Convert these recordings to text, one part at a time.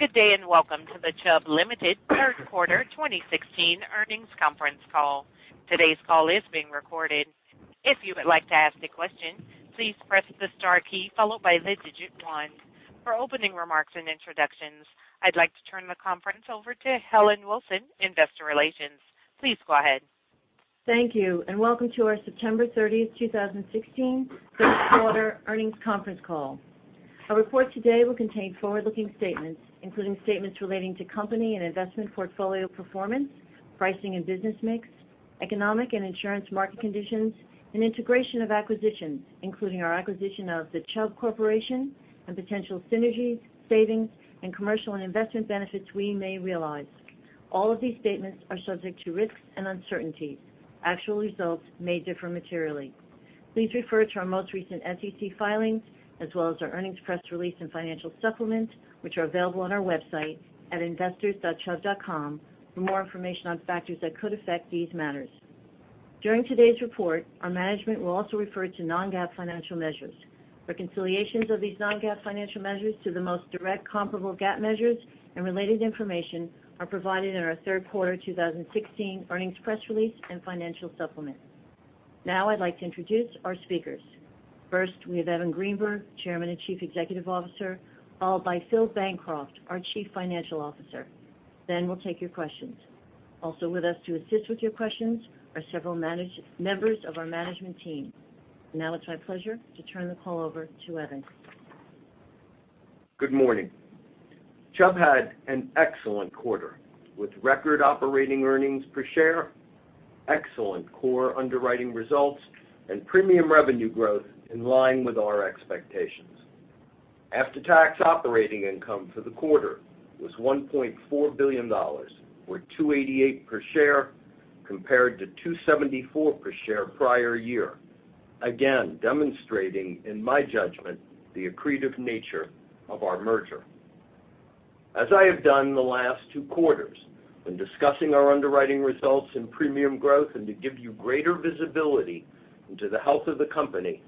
Good day, welcome to the Chubb Limited third quarter 2016 earnings conference call. Today's call is being recorded. If you would like to ask a question, please press the star key followed by the digit one. For opening remarks and introductions, I'd like to turn the conference over to Helen Wilson, Investor Relations. Please go ahead. Thank you, welcome to our September 30th, 2016 third quarter earnings conference call. Our report today will contain forward-looking statements, including statements relating to company and investment portfolio performance, pricing and business mix, economic and insurance market conditions, and integration of acquisitions, including our acquisition of The Chubb Corporation and potential synergies, savings, and commercial and investment benefits we may realize. All of these statements are subject to risks and uncertainties. Actual results may differ materially. Please refer to our most recent SEC filings, as well as our earnings press release and financial supplement, which are available on our website at investors.chubb.com for more information on factors that could affect these matters. During today's report, our management will also refer to non-GAAP financial measures. Reconciliations of these non-GAAP financial measures to the most direct comparable GAAP measures and related information are provided in our third quarter 2016 earnings press release and financial supplement. I'd like to introduce our speakers. First, we have Evan Greenberg, Chairman and Chief Executive Officer, followed by Phil Bancroft, our Chief Financial Officer. We'll take your questions. Also with us to assist with your questions are several members of our management team. It's my pleasure to turn the call over to Evan. Good morning. Chubb had an excellent quarter, with record operating earnings per share, excellent core underwriting results, and premium revenue growth in line with our expectations. After-tax operating income for the quarter was $1.4 billion, or $2.88 per share, compared to $2.74 per share prior year, again, demonstrating, in my judgment, the accretive nature of our merger. As I have done the last two quarters, when discussing our underwriting results and premium growth and to give you greater visibility into the health of the company,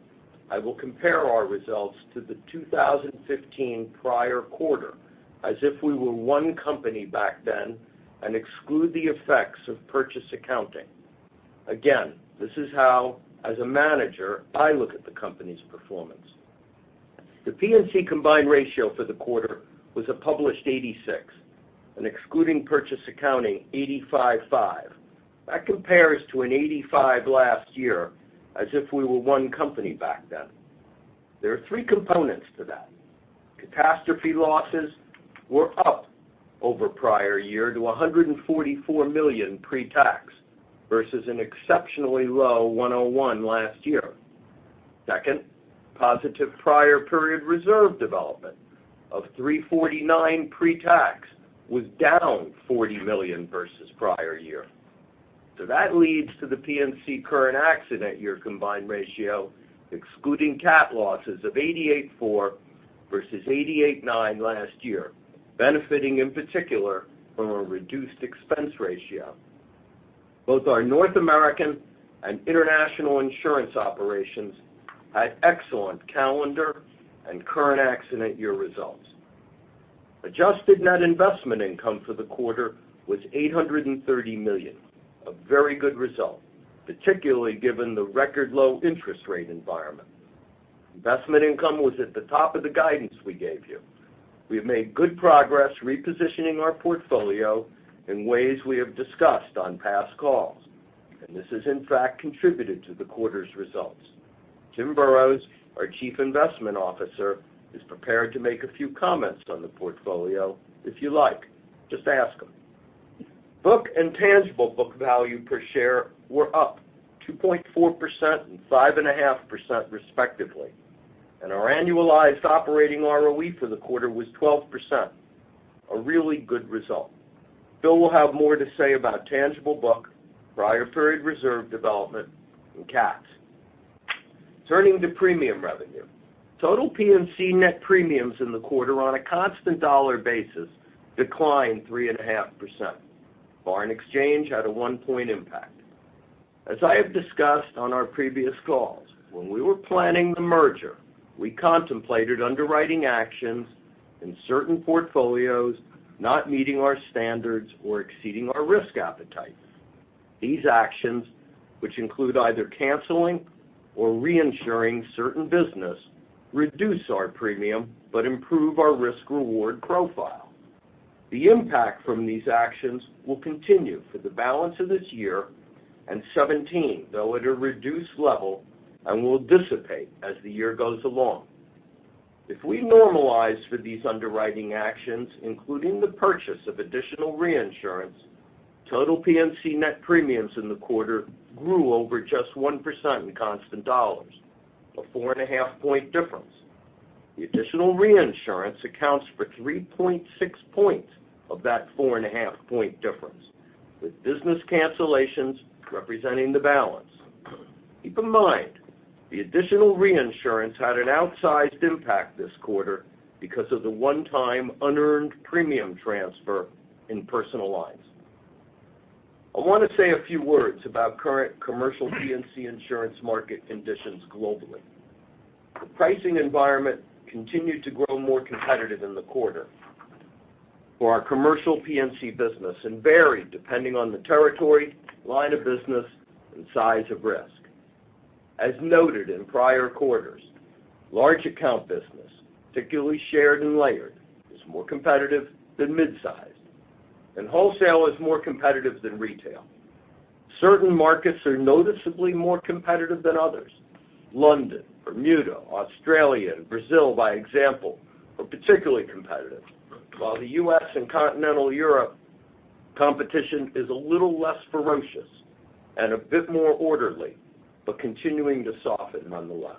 I will compare our results to the 2015 prior quarter, as if we were one company back then and exclude the effects of purchase accounting. Again, this is how, as a manager, I look at the company's performance. The P&C combined ratio for the quarter was a published 86, and excluding purchase accounting, 85.5. That compares to an 85% last year, as if we were one company back then. There are three components to that. Catastrophe losses were up over prior year to $144 million pre-tax, versus an exceptionally low $101 million last year. Second, positive prior period reserve development of $349 million pre-tax was down $40 million versus the prior year. That leads to the P&C current accident year combined ratio, excluding cat losses of 88.4% versus 88.9% last year, benefiting in particular from a reduced expense ratio. Both our North American and international insurance operations had excellent calendar and current accident year results. Adjusted net investment income for the quarter was $830 million, a very good result, particularly given the record low interest rate environment. Investment income was at the top of the guidance we gave you. We have made good progress repositioning our portfolio in ways we have discussed on past calls. This has in fact contributed to the quarter's results. Tim Boroughs, our Chief Investment Officer, is prepared to make a few comments on the portfolio, if you like. Just ask him. Book and tangible book value per share were up 2.4% and 5.5% respectively, and our annualized operating ROE for the quarter was 12%, a really good result. Phil will have more to say about tangible book, prior period reserve development, and cats. Turning to premium revenue, total P&C net premiums in the quarter on a constant dollar basis declined 3.5%. Foreign exchange had a 1 point impact. As I have discussed on our previous calls, when we were planning the merger, we contemplated underwriting actions in certain portfolios not meeting our standards or exceeding our risk appetite. These actions, which include either canceling or reinsuring certain business, reduce our premium but improve our risk-reward profile. The impact from these actions will continue for the balance of this year and 2017, though at a reduced level, will dissipate as the year goes along. If we normalize for these underwriting actions, including the purchase of additional reinsurance, total P&C net premiums in the quarter grew over just 1% in constant dollars, a 4.5 point difference. The additional reinsurance accounts for 3.6 points of that 4.5 point difference, with business cancellations representing the balance. Keep in mind, the additional reinsurance had an outsized impact this quarter because of the one-time unearned premium transfer in personal lines. I want to say a few words about current commercial P&C insurance market conditions globally. The pricing environment continued to grow more competitive in the quarter for our commercial P&C business, varied depending on the territory, line of business, and size of risk. As noted in prior quarters, large account business, particularly shared and layered, is more competitive than midsize, wholesale is more competitive than retail. Certain markets are noticeably more competitive than others. London, Bermuda, Australia, and Brazil, by example, are particularly competitive, while the U.S. and continental Europe competition is a little less ferocious and a bit more orderly, continuing to soften nonetheless.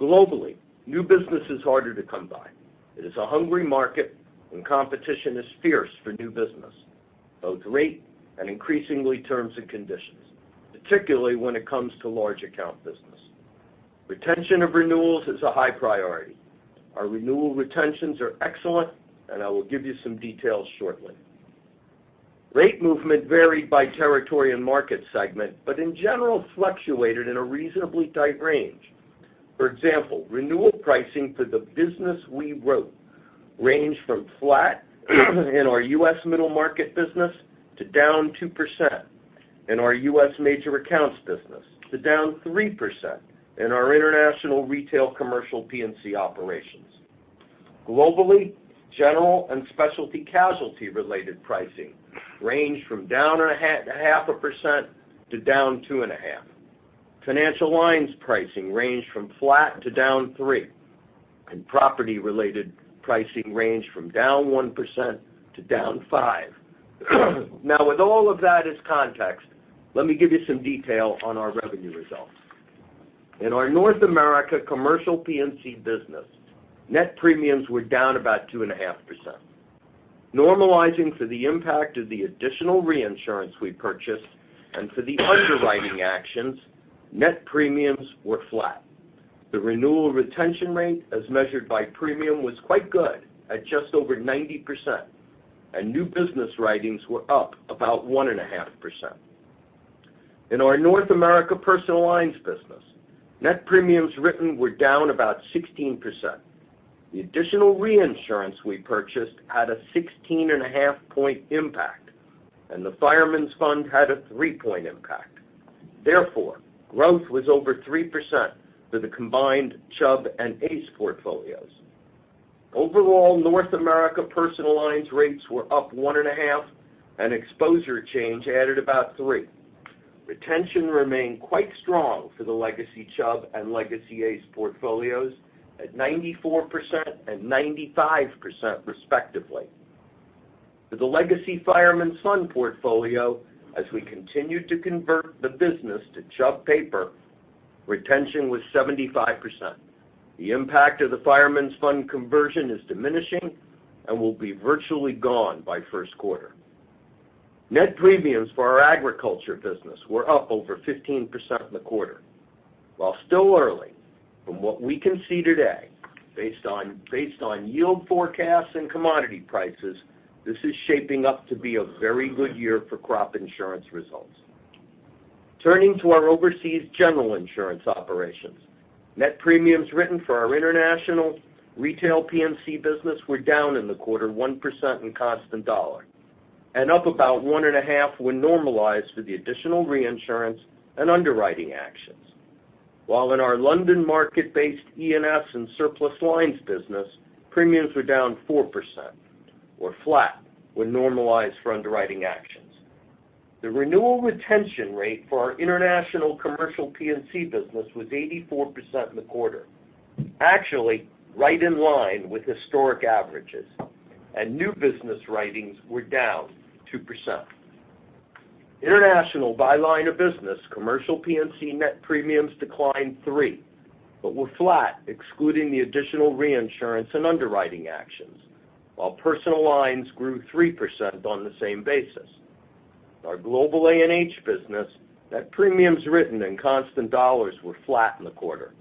Globally, new business is harder to come by. It is a hungry market, competition is fierce for new business, both rate and increasingly terms and conditions, particularly when it comes to large account business. Retention of renewals is a high priority. Our renewal retentions are excellent, I will give you some details shortly. Rate movement varied by territory and market segment, but in general fluctuated in a reasonably tight range. For example, renewal pricing for the business we wrote ranged from flat in our U.S. middle market business to down 2% in our U.S. major accounts business, to down 3% in our international retail commercial P&C operations. Globally, general and specialty casualty related pricing ranged from down 0.5% to down 2.5%. Financial lines pricing ranged from flat to down 3%, and property related pricing ranged from down 1% to down 5%. With all of that as context, let me give you some detail on our revenue results. In our North America Commercial P&C business, net premiums were down about 2.5%. Normalizing for the impact of the additional reinsurance we purchased and for the underwriting actions, net premiums were flat. The renewal retention rate, as measured by premium, was quite good at just over 90%, and new business writings were up about 1.5%. In our North America Personal Lines business, net premiums written were down about 16%. The additional reinsurance we purchased had a 16.5 point impact, and the Fireman's Fund had a 3 point impact. Therefore, growth was over 3% for the combined Chubb and ACE portfolios. Overall, North America Personal Lines rates were up 1.5%, and exposure change added about 3%. Retention remained quite strong for the legacy Chubb and legacy ACE portfolios at 94% and 95%, respectively. For the legacy Fireman's Fund portfolio, as we continued to convert the business to Chubb paper, retention was 75%. The impact of the Fireman's Fund conversion is diminishing and will be virtually gone by first quarter. Net premiums for our agriculture business were up over 15% in the quarter. Still early, from what we can see today, based on yield forecasts and commodity prices, this is shaping up to be a very good year for crop insurance results. Turning to our overseas general insurance operations, net premiums written for our international retail P&C business were down in the quarter 1% in constant dollar and up about 1.5% when normalized for the additional reinsurance and underwriting actions. In our London market-based E&S and surplus lines business, premiums were down 4%, or flat when normalized for underwriting actions. The renewal retention rate for our international commercial P&C business was 84% in the quarter, actually right in line with historic averages, and new business writings were down 2%. By line of business, commercial P&C net premiums declined 3% but were flat excluding the additional reinsurance and underwriting actions, while personal lines grew 3% on the same basis. Our global A&H business net premiums written in constant dollars were flat in the quarter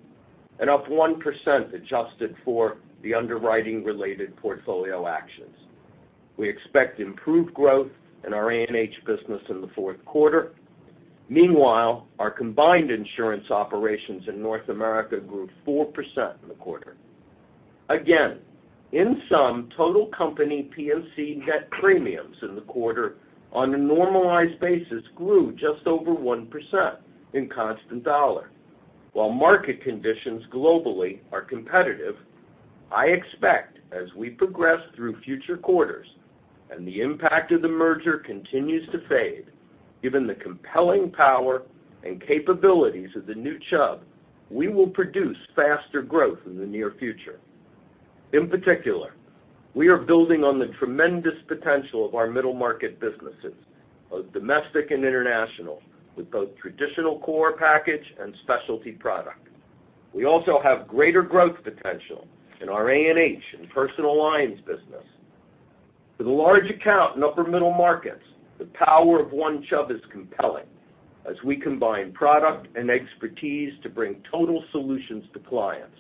and up 1% adjusted for the underwriting related portfolio actions. We expect improved growth in our A&H business in the fourth quarter. Our combined insurance operations in North America grew 4% in the quarter. In sum, total company P&C net premiums in the quarter on a normalized basis grew just over 1% in constant dollar. Market conditions globally are competitive, I expect as we progress through future quarters and the impact of the merger continues to fade, given the compelling power and capabilities of the new Chubb, we will produce faster growth in the near future. In particular, we are building on the tremendous potential of our middle market businesses, both domestic and international, with both traditional core package and specialty product. We also have greater growth potential in our A&H and Personal Lines business. For the large account and upper middle markets, the power of One Chubb is compelling as we combine product and expertise to bring total solutions to clients.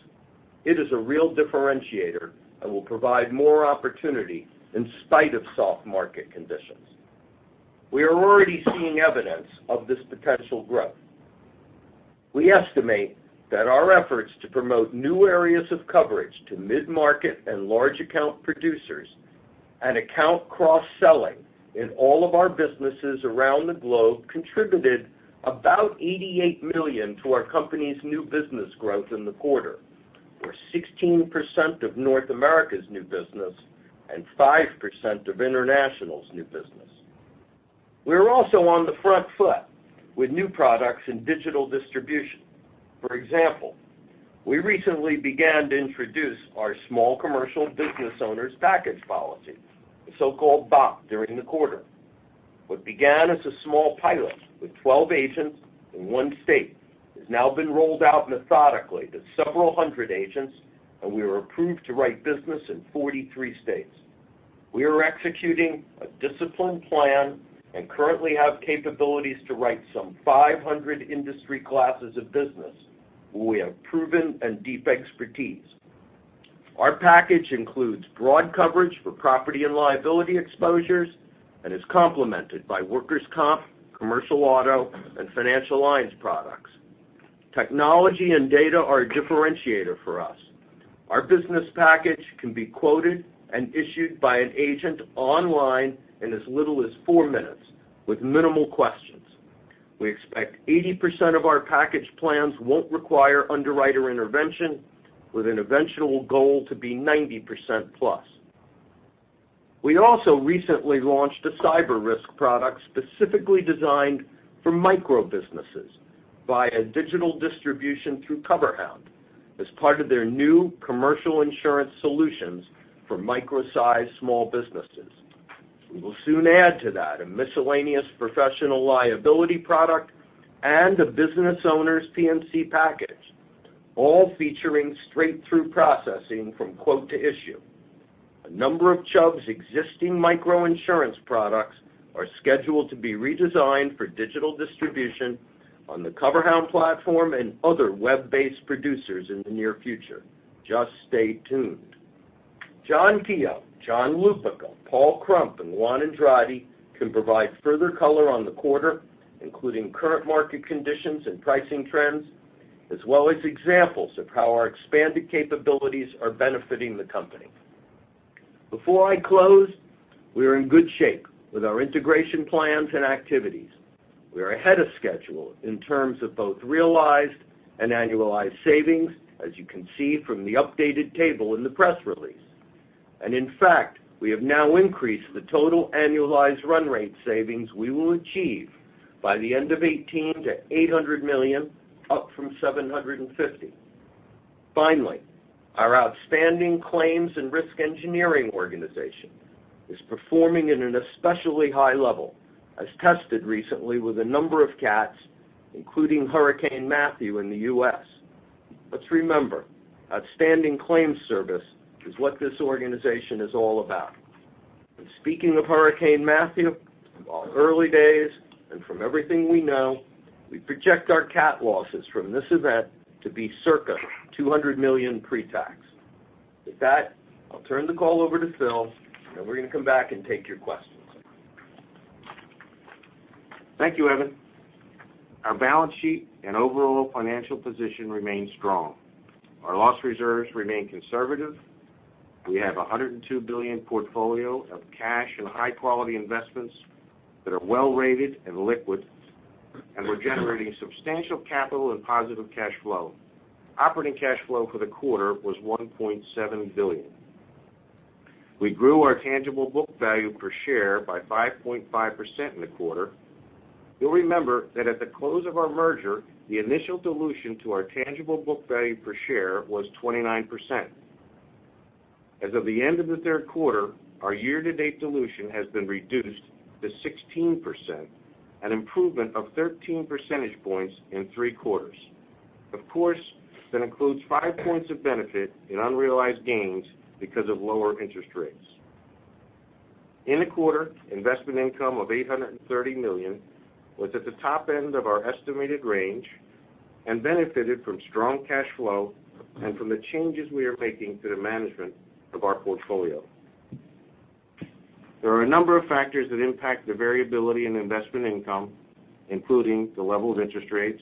It is a real differentiator and will provide more opportunity in spite of soft market conditions. We are already seeing evidence of this potential growth. We estimate that our efforts to promote new areas of coverage to mid-market and large account producers and account cross-selling in all of our businesses around the globe contributed about $88 million to our company's new business growth in the quarter. 16% of North America's new business and 5% of international's new business. We are also on the front foot with new products and digital distribution. For example, we recently began to introduce our small commercial business owners package policy, the so-called BOP, during the quarter. What began as a small pilot with 12 agents in one state has now been rolled out methodically to several hundred agents, and we were approved to write business in 43 states. We are executing a disciplined plan and currently have capabilities to write some 500 industry classes of business, where we have proven and deep expertise. Our package includes broad coverage for property and liability exposures and is complemented by workers' comp, commercial auto, and financial lines products. Technology and data are a differentiator for us. Our business package can be quoted and issued by an agent online in as little as four minutes with minimal questions. We expect 80% of our package plans won't require underwriter intervention, with an eventual goal to be 90% plus. We also recently launched a cyber risk product specifically designed for micro-businesses by a digital distribution through CoverHound as part of their new commercial insurance solutions for micro-sized small businesses. We will soon add to that a miscellaneous professional liability product and a business owner's P&C package, all featuring straight-through processing from quote to issue. A number of Chubb's existing micro insurance products are scheduled to be redesigned for digital distribution on the CoverHound platform and other web-based producers in the near future. Just stay tuned. John Keogh, John Lupica, Paul Krump, and Juan Andrade can provide further color on the quarter, including current market conditions and pricing trends, as well as examples of how our expanded capabilities are benefiting the company. Before I close, we are in good shape with our integration plans and activities. We are ahead of schedule in terms of both realized and annualized savings, as you can see from the updated table in the press release. In fact, we have now increased the total annualized run rate savings we will achieve by the end of 2018 to $800 million, up from $750 million. Finally, our outstanding claims and risk engineering organization is performing at an especially high level, as tested recently with a number of cats, including Hurricane Matthew in the U.S. Let's remember, outstanding claims service is what this organization is all about. Speaking of Hurricane Matthew, while early days, and from everything we know, we project our cat losses from this event to be circa $200 million pre-tax. With that, I'll turn the call over to Phil, we're going to come back and take your questions. Thank you, Evan. Our balance sheet and overall financial position remain strong. Our loss reserves remain conservative. We have a $102 billion portfolio of cash and high-quality investments that are well-rated and liquid, and we're generating substantial capital and positive cash flow. Operating cash flow for the quarter was $1.7 billion. We grew our tangible book value per share by 5.5% in the quarter. You'll remember that at the close of our merger, the initial dilution to our tangible book value per share was 29%. As of the end of the third quarter, our year-to-date dilution has been reduced to 16%, an improvement of 13 percentage points in three quarters. Of course, that includes five points of benefit in unrealized gains because of lower interest rates. In the quarter, investment income of $830 million was at the top end of our estimated range and benefited from strong cash flow and from the changes we are making to the management of our portfolio. There are a number of factors that impact the variability in investment income, including the level of interest rates,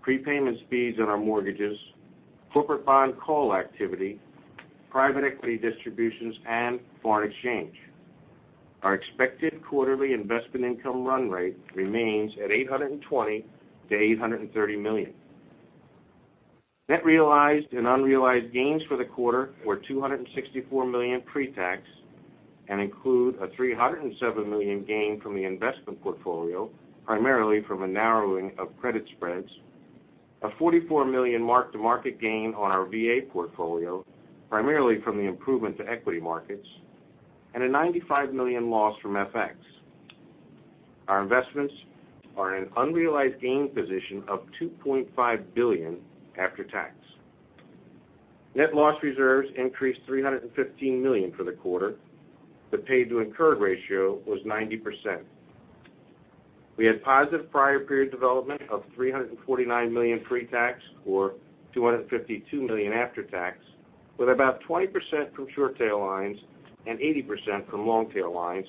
prepayment speeds on our mortgages, corporate bond call activity, private equity distributions, and foreign exchange. Our expected quarterly investment income run rate remains at $820 million-$830 million. Net realized and unrealized gains for the quarter were $264 million pre-tax and include a $307 million gain from the investment portfolio, primarily from a narrowing of credit spreads, a $44 million mark-to-market gain on our VA portfolio, primarily from the improvement to equity markets, and a $95 million loss from FX. Our investments are in an unrealized gain position of $2.5 billion after tax. Net loss reserves increased $315 million for the quarter. The paid to incurred ratio was 90%. We had positive prior period development of $349 million pre-tax, or $252 million after-tax, with about 20% from short tail lines and 80% from long tail lines,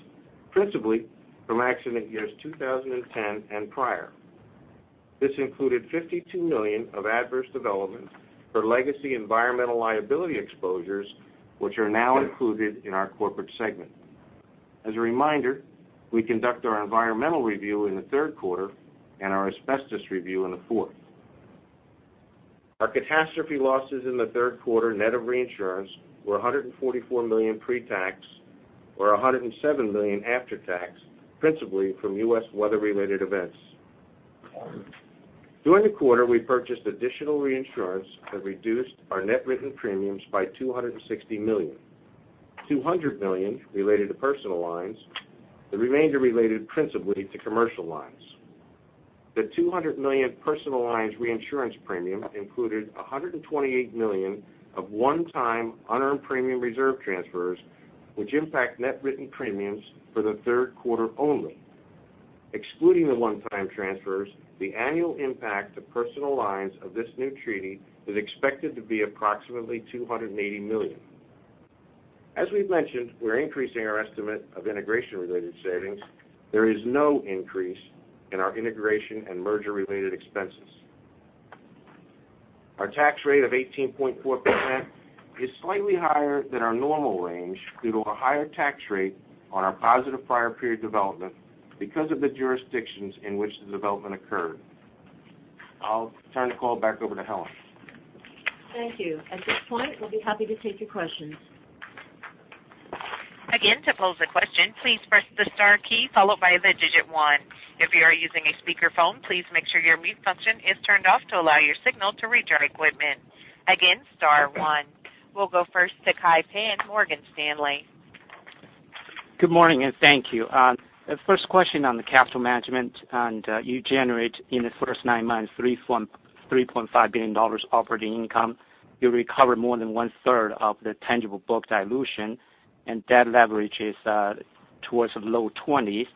principally from accident years 2010 and prior. This included $52 million of adverse development for legacy environmental liability exposures, which are now included in our corporate segment. As a reminder, we conduct our environmental review in the third quarter and our asbestos review in the fourth. Our catastrophe losses in the third quarter net of reinsurance were $144 million pre-tax, or $107 million after tax, principally from U.S. weather related events. During the quarter, we purchased additional reinsurance that reduced our net written premiums by $260 million. $200 million related to personal lines, the remainder related principally to commercial lines. The $200 million personal lines reinsurance premium included $128 million of one-time unearned premium reserve transfers, which impact net written premiums for the third quarter only. Excluding the one-time transfers, the annual impact to personal lines of this new treaty is expected to be approximately $280 million. As we've mentioned, we're increasing our estimate of integration related savings. There is no increase in our integration and merger related expenses. Our tax rate of 18.4% is slightly higher than our normal range due to a higher tax rate on our positive prior period development because of the jurisdictions in which the development occurred. I'll turn the call back over to Helen. Thank you. At this point, we'll be happy to take your questions. Again, to pose a question, please press the star key followed by the digit 1. If you are using a speakerphone, please make sure your mute function is turned off to allow your signal to reach our equipment. Again, star 1. We'll go first to Kai Pan, Morgan Stanley. Good morning. Thank you. First question on the capital management. You generate in the first nine months, $3.5 billion operating income. You recover more than one third of the tangible book dilution. That leverage is towards low 20s.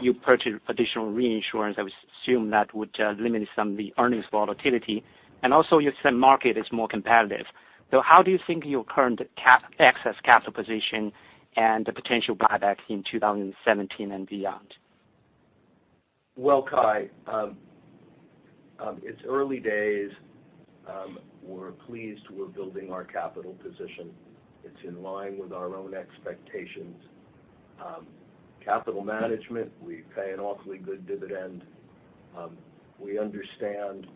You purchase additional reinsurance. I would assume that would limit some of the earnings volatility. Also, you said market is more competitive. How do you think your current excess capital position and the potential buyback in 2017 and beyond? Well, Kai, it's early days. We're pleased we're building our capital position. It's in line with our own expectations. Capital management, we pay an awfully good dividend. We understand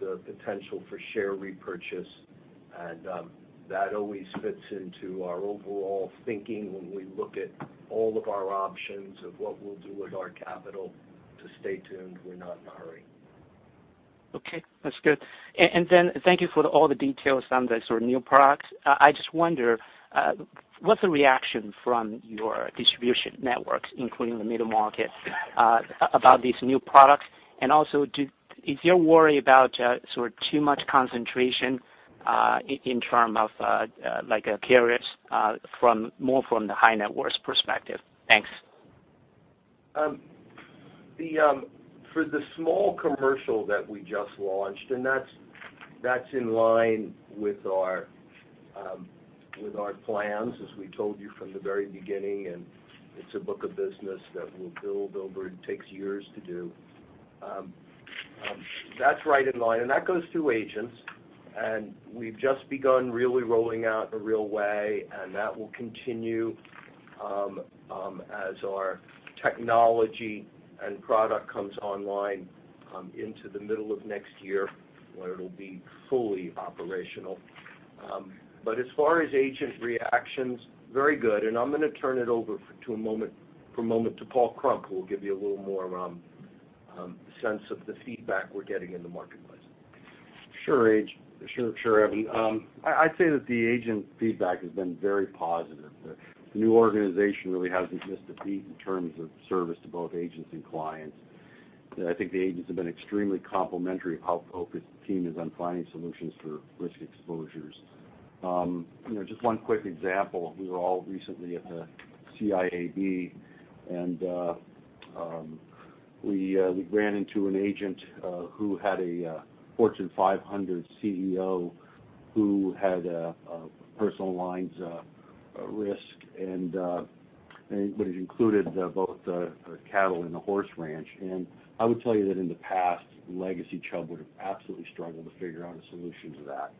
the potential for share repurchase. That always fits into our overall thinking when we look at all of our options of what we'll do with our capital. Stay tuned. We're not in a hurry. Okay, that's good. Thank you for all the details on the sort of new products. I just wonder, what's the reaction from your distribution networks, including the middle market, about these new products? If you're worried about sort of too much concentration in terms of like carriers more from the high net worth perspective. Thanks. For the small commercial that we just launched, that's in line with our plans, as we told you from the very beginning, it's a book of business that we'll build over. It takes years to do. That's right in line, that goes through agents, we've just begun really rolling out in a real way, that will continue as our technology and product comes online into the middle of next year, where it'll be fully operational. As far as agent reactions, very good, I'm going to turn it over for a moment to Paul Krump, who will give you a little more sense of the feedback we're getting in the marketplace. Sure, Evan. I'd say that the agent feedback has been very positive. The new organization really hasn't missed a beat in terms of service to both agents and clients. I think the agents have been extremely complimentary of how focused the team is on finding solutions for risk exposures. Just one quick example. We were all recently at the CIAB, we ran into an agent who had a Fortune 500 CEO, who had a personal lines risk, but it included both a cattle and a horse ranch. I would tell you that in the past, legacy Chubb would have absolutely struggled to figure out a solution to that.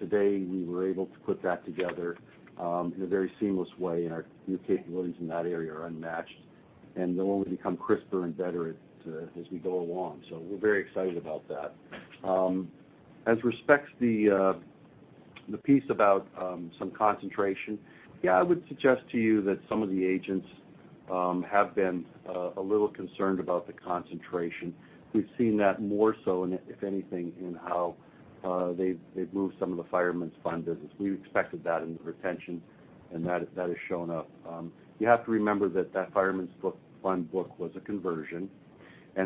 Today, we were able to put that together in a very seamless way, our new capabilities in that area are unmatched, they'll only become crisper and better as we go along. We're very excited about that. As respects the piece about some concentration, yeah, I would suggest to you that some of the agents have been a little concerned about the concentration. We've seen that more so, if anything, in how they've moved some of the Fireman's Fund business. We expected that in the retention, that has shown up. You have to remember that that Fireman's Fund book was a conversion,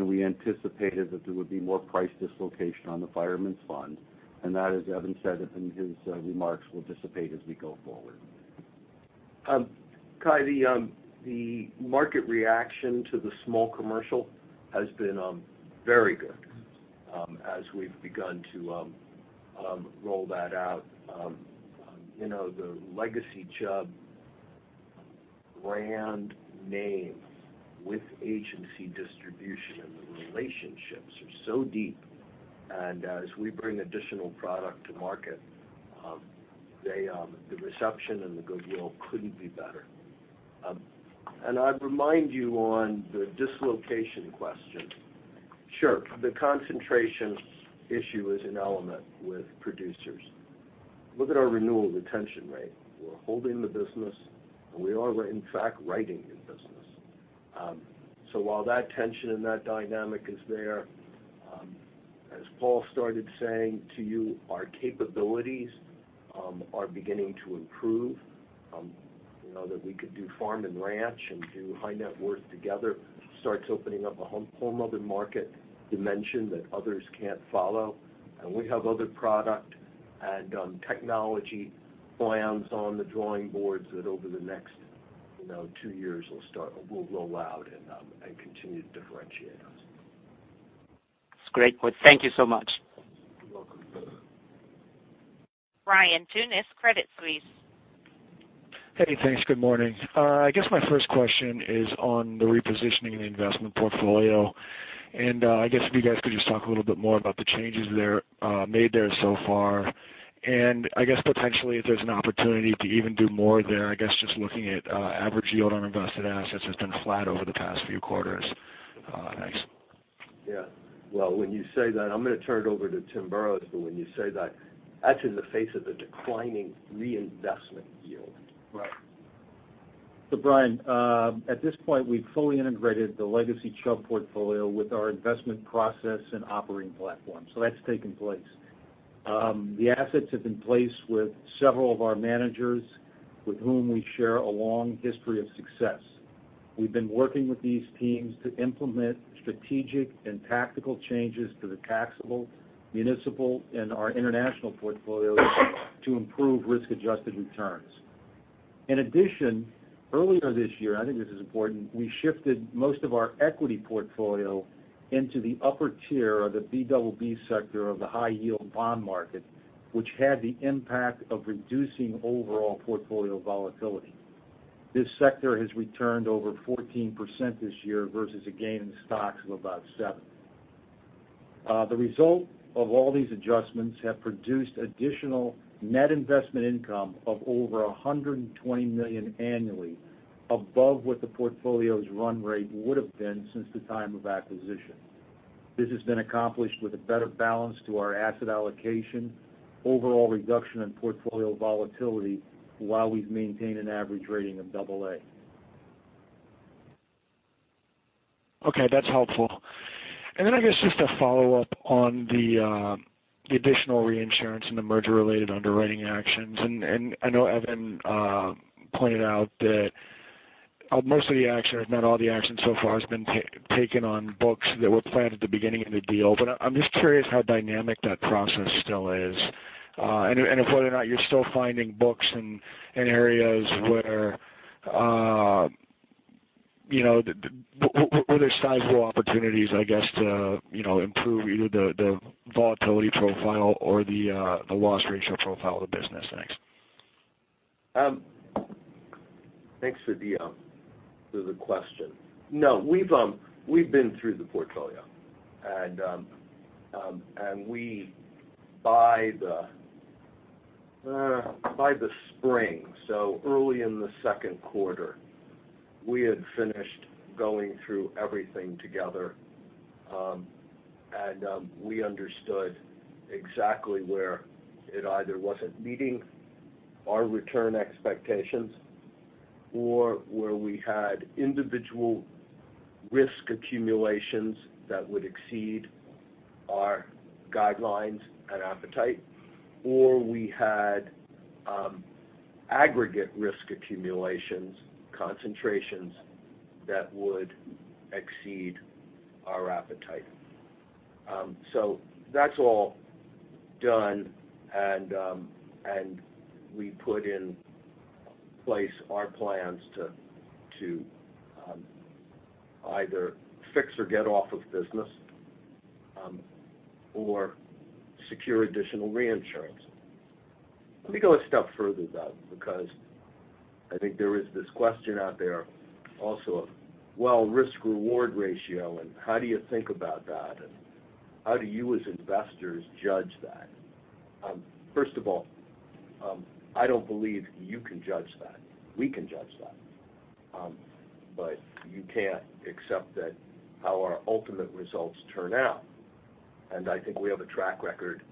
we anticipated that there would be more price dislocation on the Fireman's Fund, that, as Evan said in his remarks, will dissipate as we go forward. Kai, the market reaction to the small commercial has been very good as we've begun to roll that out. The legacy Chubb brand name with agency distribution and the relationships are so deep, as we bring additional product to market, the reception and the goodwill couldn't be better. I'd remind you on the dislocation question, sure, the concentration issue is an element with producers. Look at our renewal retention rate. We're holding the business, and we are in fact, writing new business. While that tension and that dynamic is there, as Paul started saying to you, our capabilities are beginning to improve. That we could do farm and ranch and do high net worth together starts opening up a whole other market dimension that others can't follow. We have other product and technology plans on the drawing boards that over the next two years will roll out and continue to differentiate us. That's great. Well, thank you so much. You're welcome. Ryan Tunis, Credit Suisse. Hey, thanks. Good morning. I guess my first question is on the repositioning of the investment portfolio, and I guess if you guys could just talk a little bit more about the changes made there so far. Potentially if there's an opportunity to even do more there, I guess just looking at average yield on invested assets has been flat over the past few quarters. Thanks. Yeah. Well, when you say that, I'm going to turn it over to Timothy Boroughs, but when you say that's in the face of a declining reinvestment yield. Right. Ryan, at this point, we've fully integrated the legacy Chubb portfolio with our investment process and operating platform. That's taken place. The assets have been placed with several of our managers with whom we share a long history of success. We've been working with these teams to implement strategic and tactical changes to the taxable, municipal, and our international portfolios to improve risk-adjusted returns. In addition, earlier this year, I think this is important, we shifted most of our equity portfolio into the upper tier of the BBB sector of the high-yield bond market, which had the impact of reducing overall portfolio volatility. This sector has returned over 14% this year versus a gain in stocks of about seven. The result of all these adjustments have produced additional net investment income of over $120 million annually above what the portfolio's run rate would've been since the time of acquisition. This has been accomplished with a better balance to our asset allocation, overall reduction in portfolio volatility while we've maintained an average rating of AA. Okay, that's helpful. I guess just to follow up on the additional reinsurance and the merger-related underwriting actions, I know Evan pointed out that most of the action, if not all the action so far has been taken on books that were planned at the beginning of the deal. I'm just curious how dynamic that process still is, and if whether or not you're still finding books in areas where there's sizable opportunities, I guess, to improve either the volatility profile or the loss ratio profile of the business. Thanks. Thanks for the question. No, we've been through the portfolio and we, by the spring, so early in the second quarter, we had finished going through everything together. We understood exactly where it either wasn't meeting our return expectations or where we had individual risk accumulations that would exceed our guidelines and appetite, or we had aggregate risk accumulations, concentrations that would exceed our appetite. That's all done and we put in place our plans to either fix or get off of business, or secure additional reinsurance. Let me go a step further, though, because I think there is this question out there also of, well, risk-reward ratio and how do you think about that, and how do you as investors judge that? First of all, I don't believe you can judge that. We can judge that. You can't, except that how our ultimate results turn out, I think we have a track record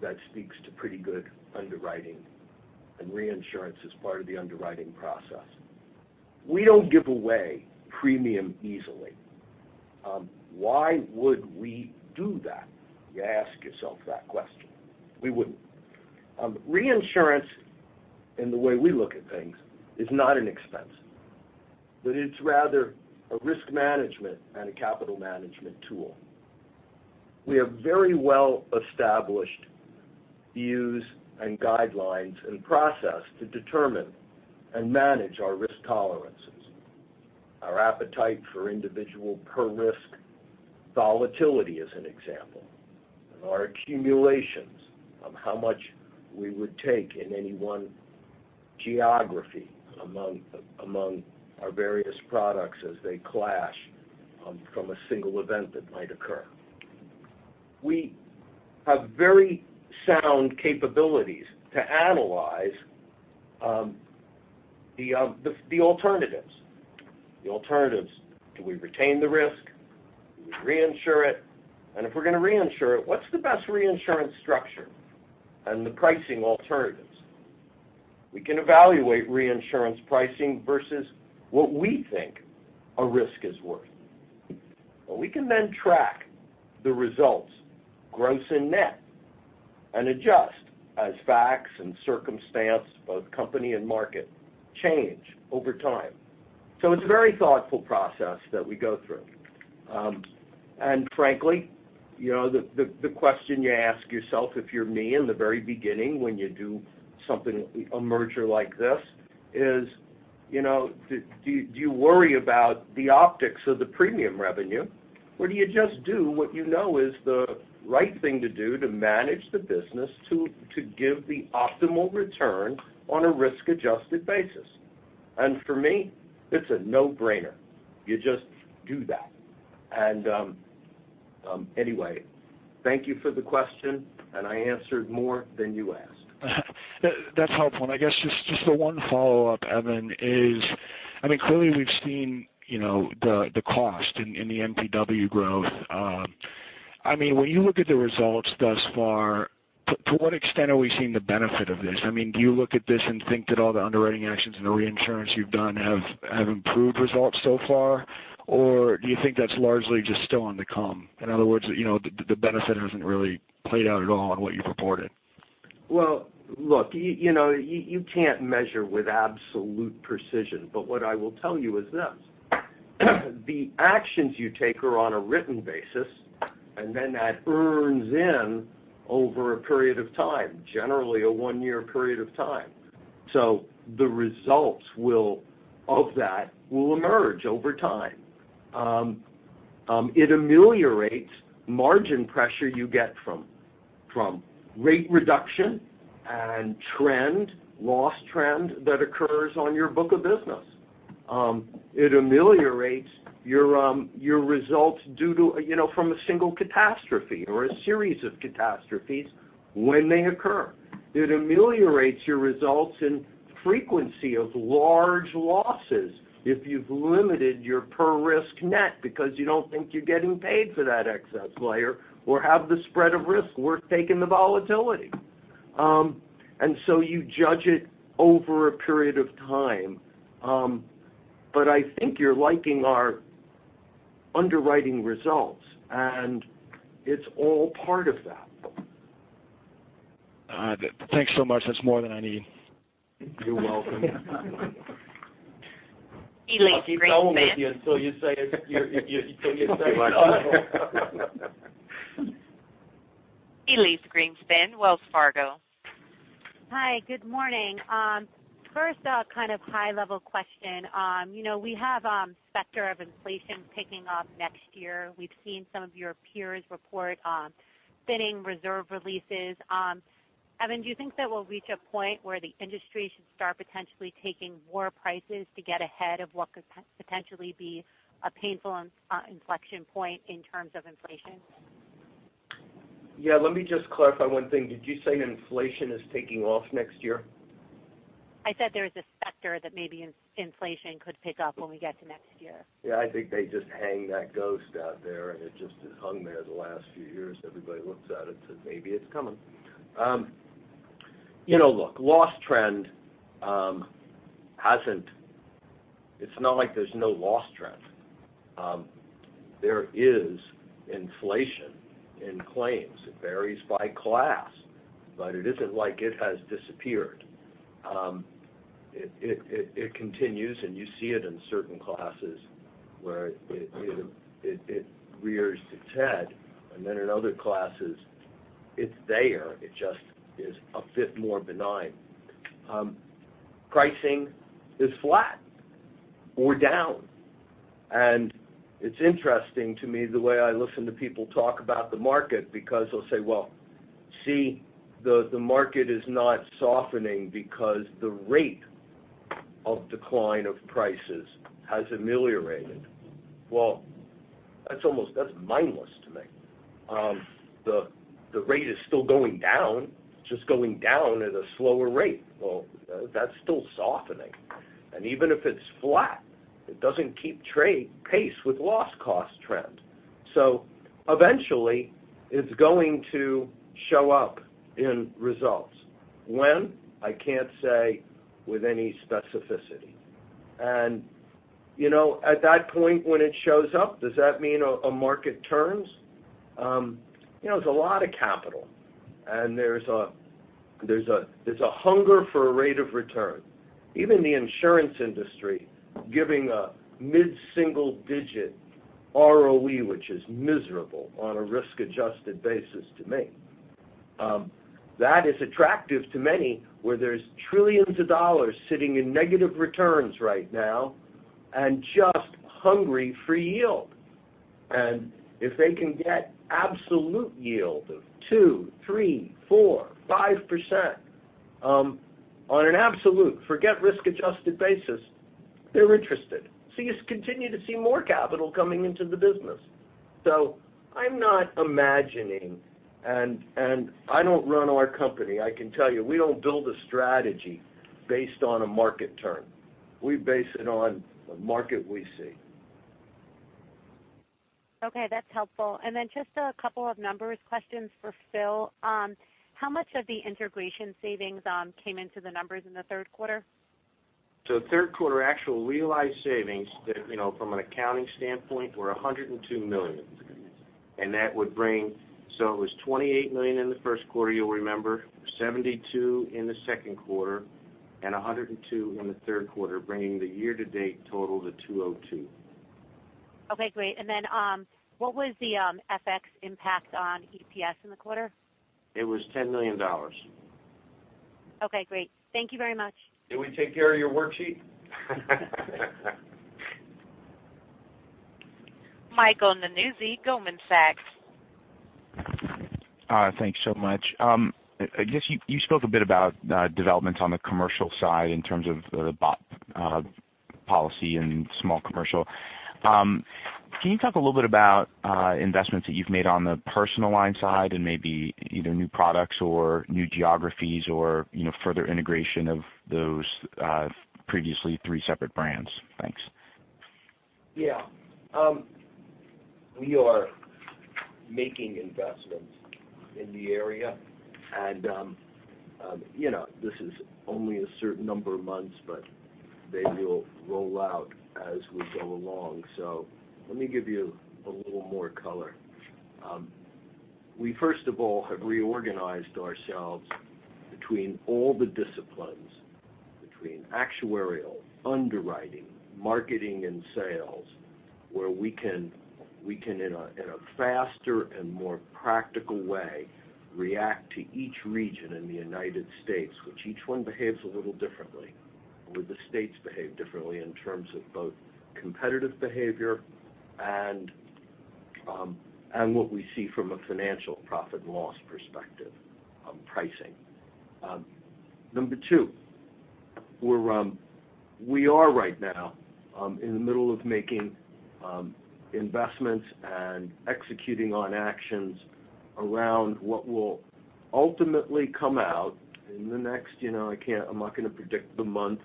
that speaks to pretty good underwriting, reinsurance is part of the underwriting process. We don't give away premium easily. Why would we do that? You ask yourself that question. We wouldn't. Reinsurance, in the way we look at things, is not an expense, but it's rather a risk management and a capital management tool. We have very well established views and guidelines and process to determine and manage our risk tolerances. Our appetite for individual per risk volatility is an example, our accumulations of how much we would take in any one geography among our various products as they clash from a single event that might occur. We have very sound capabilities to analyze the alternatives. Do we retain the risk? Do we reinsure it? If we're going to reinsure it, what's the best reinsurance structure and the pricing alternatives? We can evaluate reinsurance pricing versus what we think a risk is worth. We can then track the results, gross and net, and adjust as facts and circumstance, both company and market, change over time. It's a very thoughtful process that we go through. Frankly, the question you ask yourself, if you're me in the very beginning when you do something, a merger like this is, do you worry about the optics of the premium revenue? Do you just do what you know is the right thing to do to manage the business to give the optimal return on a risk-adjusted basis? For me, it's a no-brainer. You just do that. Anyway, thank you for the question, and I answered more than you asked. That's helpful. I guess just the one follow-up, Evan, is, clearly we've seen the cost in the NPW growth. When you look at the results thus far, to what extent are we seeing the benefit of this? Do you look at this and think that all the underwriting actions and the reinsurance you've done have improved results so far? Do you think that's largely just still on the come? In other words, the benefit hasn't really played out at all on what you purported. Look, you can't measure with absolute precision, what I will tell you is this. The actions you take are on a written basis, and then that earns in over a period of time, generally a one-year period of time. The results of that will emerge over time. It ameliorates margin pressure you get from rate reduction and loss trend that occurs on your book of business. It ameliorates your results from a single catastrophe or a series of catastrophes when they occur. It ameliorates your results in frequency of large losses if you've limited your per-risk net because you don't think you're getting paid for that excess layer or have the spread of risk worth taking the volatility. You judge it over a period of time. I think you're liking our underwriting results, and it's all part of that. All right. Thanks so much. That's more than I need. You're welcome. I'll keep going with you until you say enough. Thank you very much. Elyse Greenspan, Wells Fargo. Hi, good morning. First, a kind of high-level question. We have a specter of inflation taking off next year. We've seen some of your peers report thinning reserve releases. Evan, do you think that we'll reach a point where the industry should start potentially taking more prices to get ahead of what could potentially be a painful inflection point in terms of inflation? Yeah, let me just clarify one thing. Did you say inflation is taking off next year? I said there's a specter that maybe inflation could pick up when we get to next year. Yeah, I think they just hang that ghost out there, and it just has hung there the last few years. Everybody looks at it and says, "Maybe it's coming." Look, it's not like there's no loss trend. There is inflation in claims. It varies by class, but it isn't like it has disappeared. It continues, and you see it in certain classes where it rears its head. Then in other classes, it's there, it just is a bit more benign. Pricing is flat or down. It's interesting to me the way I listen to people talk about the market because they'll say, "Well, see, the market is not softening because the rate of decline of prices has ameliorated." Well, that's mindless to me. The rate is still going down. It's just going down at a slower rate. Well, that's still softening. Even if it's flat, it doesn't keep pace with loss cost trend. Eventually it's going to show up in results. When? I can't say with any specificity. At that point when it shows up, does that mean a market turns? There's a lot of capital, and there's a hunger for a rate of return. Even the insurance industry giving a mid-single digit ROE, which is miserable on a risk-adjusted basis to me. That is attractive to many, where there's $ trillions sitting in negative returns right now and just hungry for yield. If they can get absolute yield of 2%, 3%, 4%, 5% on an absolute, forget risk-adjusted basis, they're interested. You continue to see more capital coming into the business. I'm not imagining, and I don't run our company, I can tell you, we don't build a strategy based on a market turn. We base it on the market we see. That's helpful. Just a couple of numbers questions for Phil. How much of the integration savings came into the numbers in the third quarter? Third quarter actual realized savings, from an accounting standpoint, were $102 million. That would bring, it was $28 million in the first quarter, you'll remember, $72 in the second quarter, and $102 in the third quarter, bringing the year-to-date total to $202. Great. What was the FX impact on EPS in the quarter? It was $10 million. Okay, great. Thank you very much. Did we take care of your worksheet? Michael Nannizzi, Goldman Sachs. Thanks so much. I guess you spoke a bit about developments on the commercial side in terms of the BOP policy and small commercial. Can you talk a little bit about investments that you've made on the personal line side and maybe either new products or new geographies or further integration of those previously three separate brands? Thanks. Yeah. We are making investments in the area, and this is only a certain number of months, but they will roll out as we go along. Let me give you a little more color. We first of all, have reorganized ourselves between all the disciplines, between actuarial, underwriting, marketing, and sales, where we can, in a faster and more practical way, react to each region in the U.S., which each one behaves a little differently, or the states behave differently in terms of both competitive behavior and what we see from a financial profit and loss perspective on pricing. Number two, we are right now in the middle of making investments and executing on actions around what will ultimately come out in the next, I'm not going to predict the month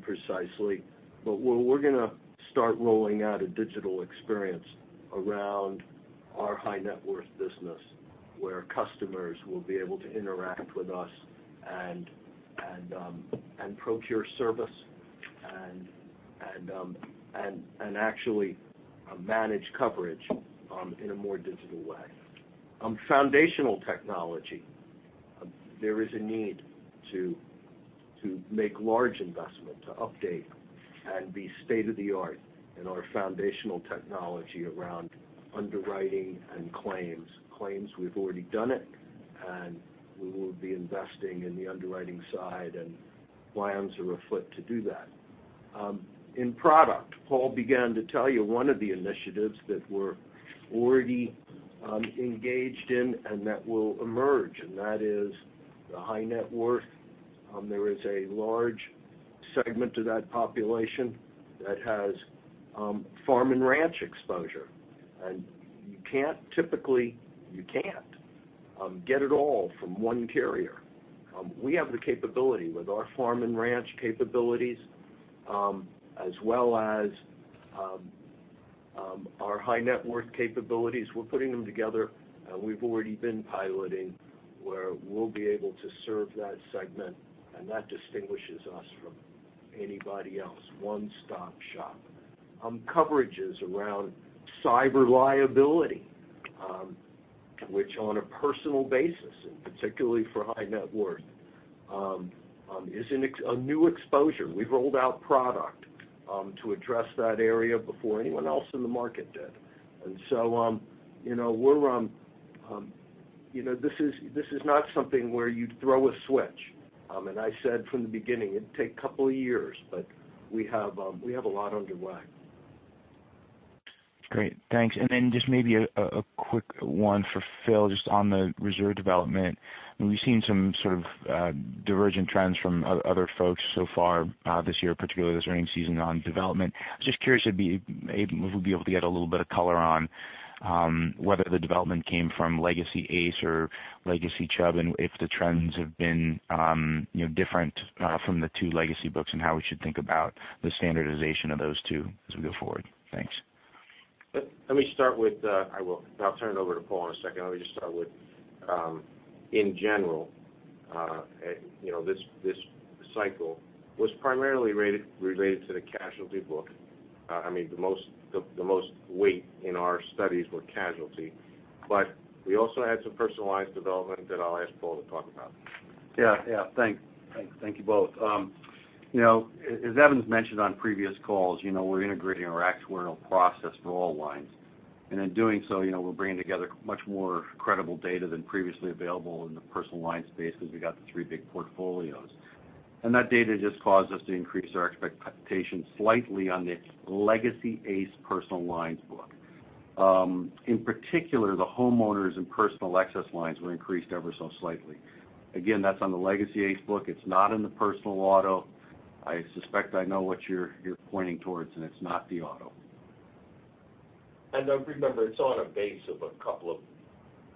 precisely, but we're going to start rolling out a digital experience around our high net worth business, where customers will be able to interact with us and procure service and actually manage coverage in a more digital way. Foundational technology, there is a need to make large investment to update and be state-of-the-art in our foundational technology around underwriting and claims. Claims, we've already done it, and we will be investing in the underwriting side, and plans are afoot to do that. In product, Paul began to tell you one of the initiatives that we're already engaged in and that will emerge, and that is the high net worth. There is a large segment of that population that has farm and ranch exposure. You can't typically get it all from one carrier. We have the capability with our farm and ranch capabilities, as well as our high net worth capabilities. We're putting them together, and we've already been piloting where we'll be able to serve that segment, and that distinguishes us from anybody else, one-stop shop. Coverages around cyber liability, which on a personal basis, and particularly for high net worth, is a new exposure. We've rolled out product to address that area before anyone else in the market did. This is not something where you throw a switch. I said from the beginning, it'd take a couple of years, but we have a lot underway. Great. Thanks. Then just maybe a quick one for Phil, just on the reserve development. We've seen some sort of divergent trends from other folks so far this year, particularly this earnings season on development. Just curious if we'll be able to get a little bit of color on whether the development came from legacy ACE or legacy Chubb, and if the trends have been different from the two legacy books, and how we should think about the standardization of those two as we go forward. Thanks. Let me start with. I will. I'll turn it over to Paul in a second. Let me just start with, in general this cycle was primarily related to the casualty book. The most weight in our studies were casualty. We also had some personal lines development that I'll ask Paul to talk about. Yeah. Thank you both. As Evan's mentioned on previous calls, we're integrating our actuarial process for all lines. In doing so, we're bringing together much more credible data than previously available in the personal lines space because we got the three big portfolios. That data just caused us to increase our expectations slightly on the legacy ACE personal lines book. In particular, the homeowners and personal excess lines were increased ever so slightly. Again, that's on the legacy ACE book. It's not in the personal auto. I suspect I know what you're pointing towards, and it's not the auto. Remember, it's on a base of a couple of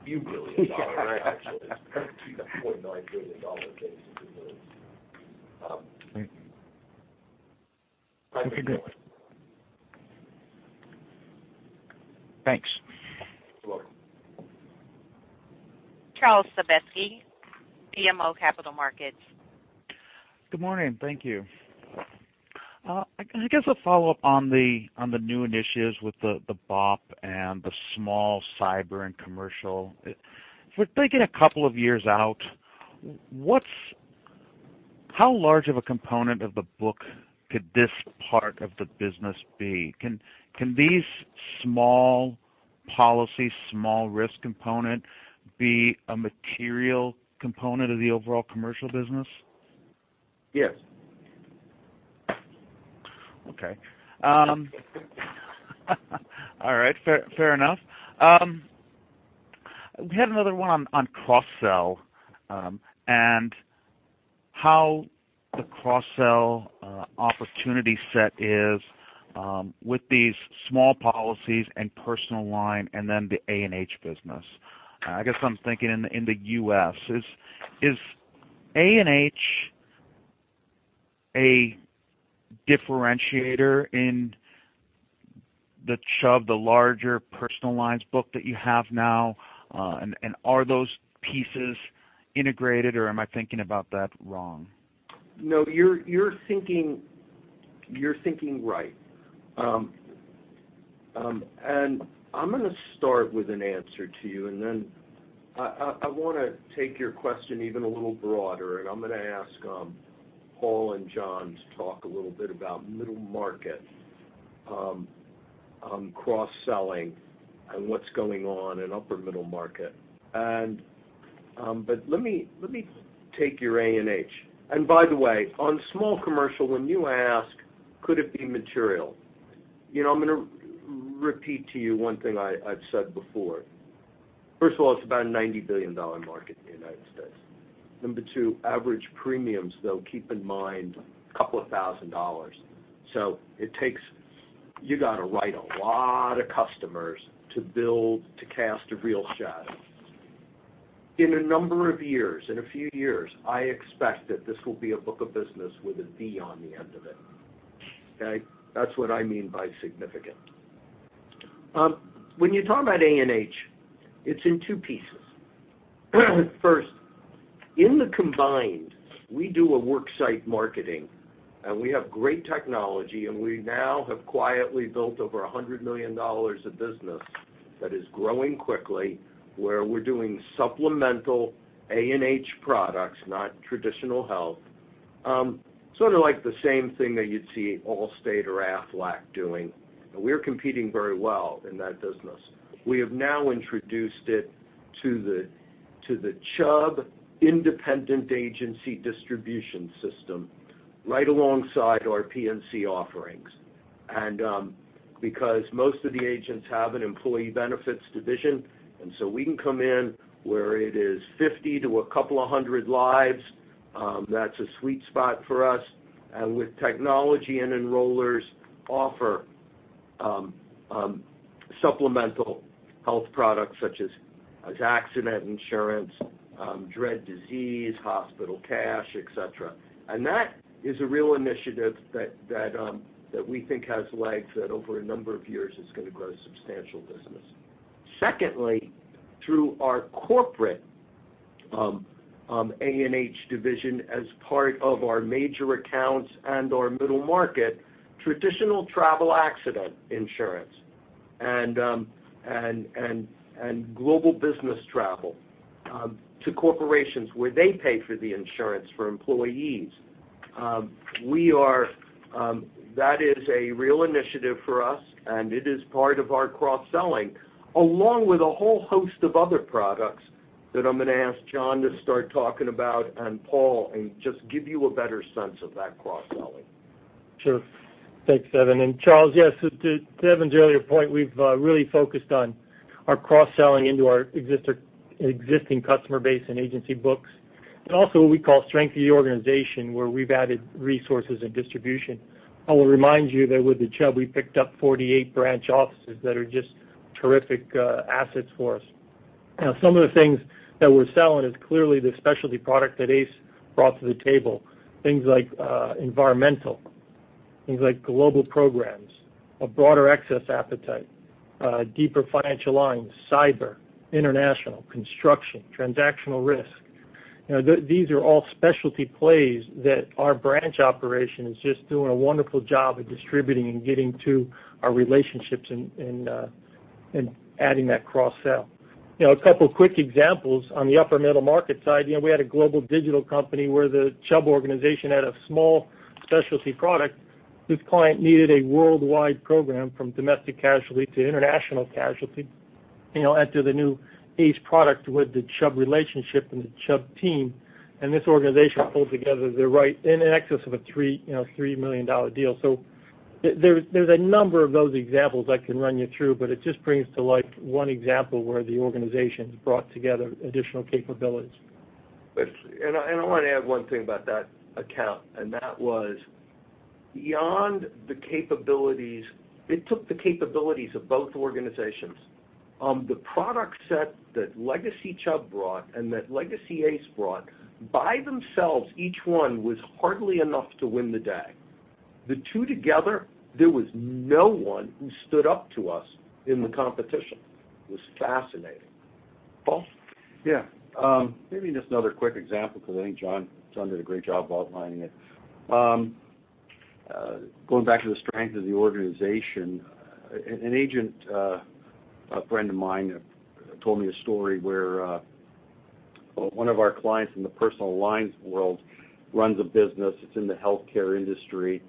few billion dollars, actually. It's a $4.9 billion base. Okay, good. Thanks. You're welcome. Charles Sobeski, BMO Capital Markets. Good morning. Thank you. I guess I'll follow up on the new initiatives with the BOP and the small cyber and commercial. If we're thinking a couple of years out, how large of a component of the book could this part of the business be? Can these small policy, small risk component be a material component of the overall commercial business? Yes. Okay. All right. Fair enough. We had another one on cross-sell, and how the cross-sell opportunity set is with these small policies and personal line and then the A&H business. I guess I'm thinking in the U.S. Is A&H a differentiator in the Chubb, the larger personal lines book that you have now? Are those pieces integrated, or am I thinking about that wrong? No, you're thinking right. I'm going to start with an answer to you, and then I want to take your question even a little broader, and I'm going to ask Paul and John to talk a little bit about middle market, cross-selling, and what's going on in upper middle market. Let me take your A&H. By the way, on small commercial, when you ask, could it be material? I'm going to repeat to you one thing I've said before. First of all, it's about a $90 billion market in the United States. Number two, average premiums, though, keep in mind, a couple of thousand dollars. You got to write a lot of customers to build, to cast a real shadow. In a number of years, in a few years, I expect that this will be a book of business with a V on the end of it. Okay? That's what I mean by significant. When you talk about A&H, it's in two pieces. First, in the combined, we do a work site marketing, and we have great technology, and we now have quietly built over $100 million of business that is growing quickly, where we're doing supplemental A&H products, not traditional health. Sort of like the same thing that you'd see Allstate or Aflac doing. We're competing very well in that business. We have now introduced it to the Chubb independent agency distribution system right alongside our P&C offerings. Because most of the agents have an employee benefits division, and so we can come in where it is 50 to a couple of hundred lives, that's a sweet spot for us. With technology and enrollers offer supplemental health products such as accident insurance, dread disease, hospital cash, et cetera. That is a real initiative that we think has legs that over a number of years is going to grow a substantial business. Secondly, through our corporate A&H division as part of our major accounts and our middle market, traditional travel accident insurance and global business travel to corporations where they pay for the insurance for employees. That is a real initiative for us. It is part of our cross-selling, along with a whole host of other products that I'm going to ask John to start talking about, Paul, just give you a better sense of that cross-selling. Sure. Thanks, Evan. Charles, yes, to Evan's earlier point, we've really focused on our cross-selling into our existing customer base and agency books. Also what we call strength of the organization, where we've added resources and distribution. I will remind you that with the Chubb, we picked up 48 branch offices that are just terrific assets for us. Some of the things that we're selling is clearly the specialty product that ACE brought to the table. Things like environmental Things like global programs, a broader excess appetite, deeper financial lines, cyber, international, construction, transactional risk. These are all specialty plays that our branch operation is just doing a wonderful job of distributing and getting to our relationships and adding that cross-sell. A couple of quick examples on the upper middle market side. We had a global digital company where the Chubb organization had a small specialty product. This client needed a worldwide program from domestic casualty to international casualty, to the new ACE product with the Chubb relationship and the Chubb team. This organization pulled together in excess of a $3 million deal. There's a number of those examples I can run you through, but it just brings to life one example where the organization has brought together additional capabilities. I want to add one thing about that account, that was, it took the capabilities of both organizations. The product set that legacy Chubb brought and that legacy ACE brought, by themselves, each one was hardly enough to win the day. The two together, there was no one who stood up to us in the competition. It was fascinating. Paul? Maybe just another quick example, because I think John did a great job outlining it. Going back to the strength of the organization, an agent, a friend of mine, told me a story where one of our clients in the personal lines world runs a business, it's in the healthcare industry,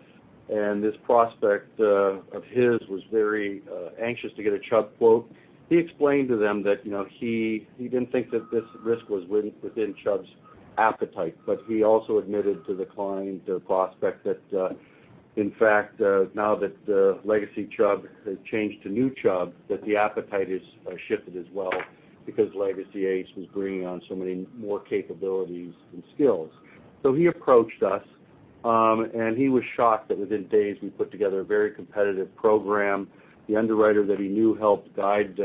and this prospect of his was very anxious to get a Chubb quote. He explained to them that he didn't think that this risk was within Chubb's appetite, but he also admitted to the client, the prospect that, in fact, now that legacy Chubb has changed to new Chubb, that the appetite has shifted as well because legacy ACE was bringing on so many more capabilities and skills. He approached us, and he was shocked that within days we put together a very competitive program. The underwriter that he knew helped guide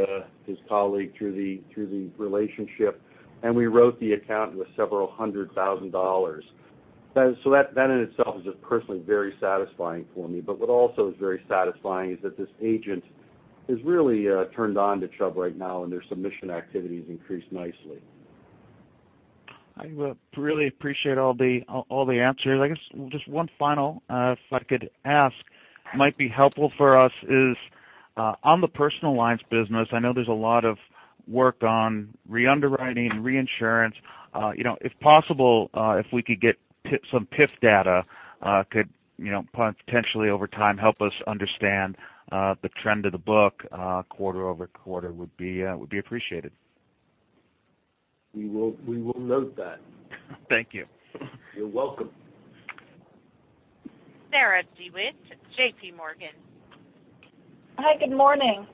his colleague through the relationship, and we wrote the account with $several hundred thousand. That in itself is just personally very satisfying for me, but what also is very satisfying is that this agent is really turned on to Chubb right now and their submission activity has increased nicely. I really appreciate all the answers. I guess just one final, if I could ask, might be helpful for us is, on the personal lines business, I know there's a lot of work on re-underwriting, reinsurance. If possible, if we could get some PIF data, could potentially over time help us understand the trend of the book quarter-over-quarter would be appreciated. We will note that. Thank you. You're welcome. Sarah DeWitt, J.P. Morgan. Hi, good morning.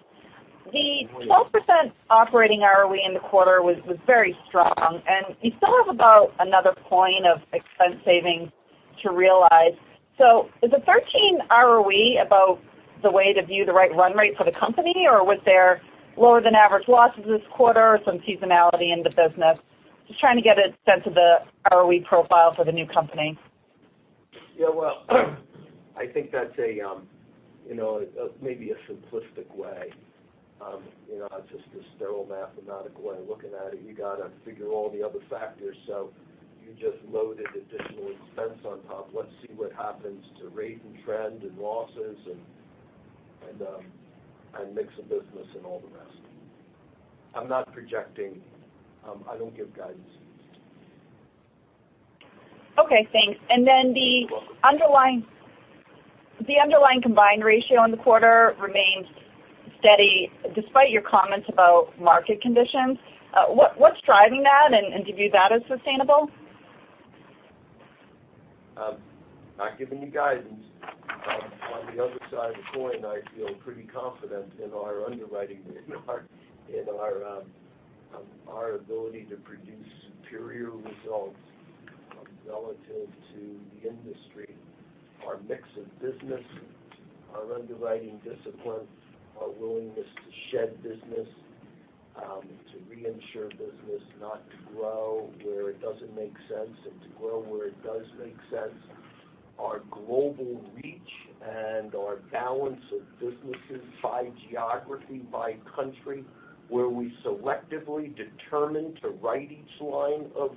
The 12% operating ROE in the quarter was very strong, and you still have about another point of expense savings to realize. Is a 13% ROE about the way to view the right run rate for the company, or was there lower than average losses this quarter or some seasonality in the business? Just trying to get a sense of the ROE profile for the new company. Yeah, well, I think that's maybe a simplistic way. It's just a sterile mathematical way of looking at it. You got to figure all the other factors. You just loaded additional expense on top. Let's see what happens to rate and trend and losses and mix of business and all the rest. I'm not projecting. I don't give guidance. Okay, thanks. Then the- You're welcome underlying combined ratio in the quarter remains steady despite your comments about market conditions. What's driving that, and do you view that as sustainable? I'm not giving you guidance. On the other side of the coin, I feel pretty confident in our underwriting and our ability to produce superior results relative to the industry. Our mix of business, our underwriting discipline, our willingness to shed business, to reinsure business, not to grow where it doesn't make sense, and to grow where it does make sense. Our global reach and our balance of businesses by geography, by country, where we selectively determine to write each line of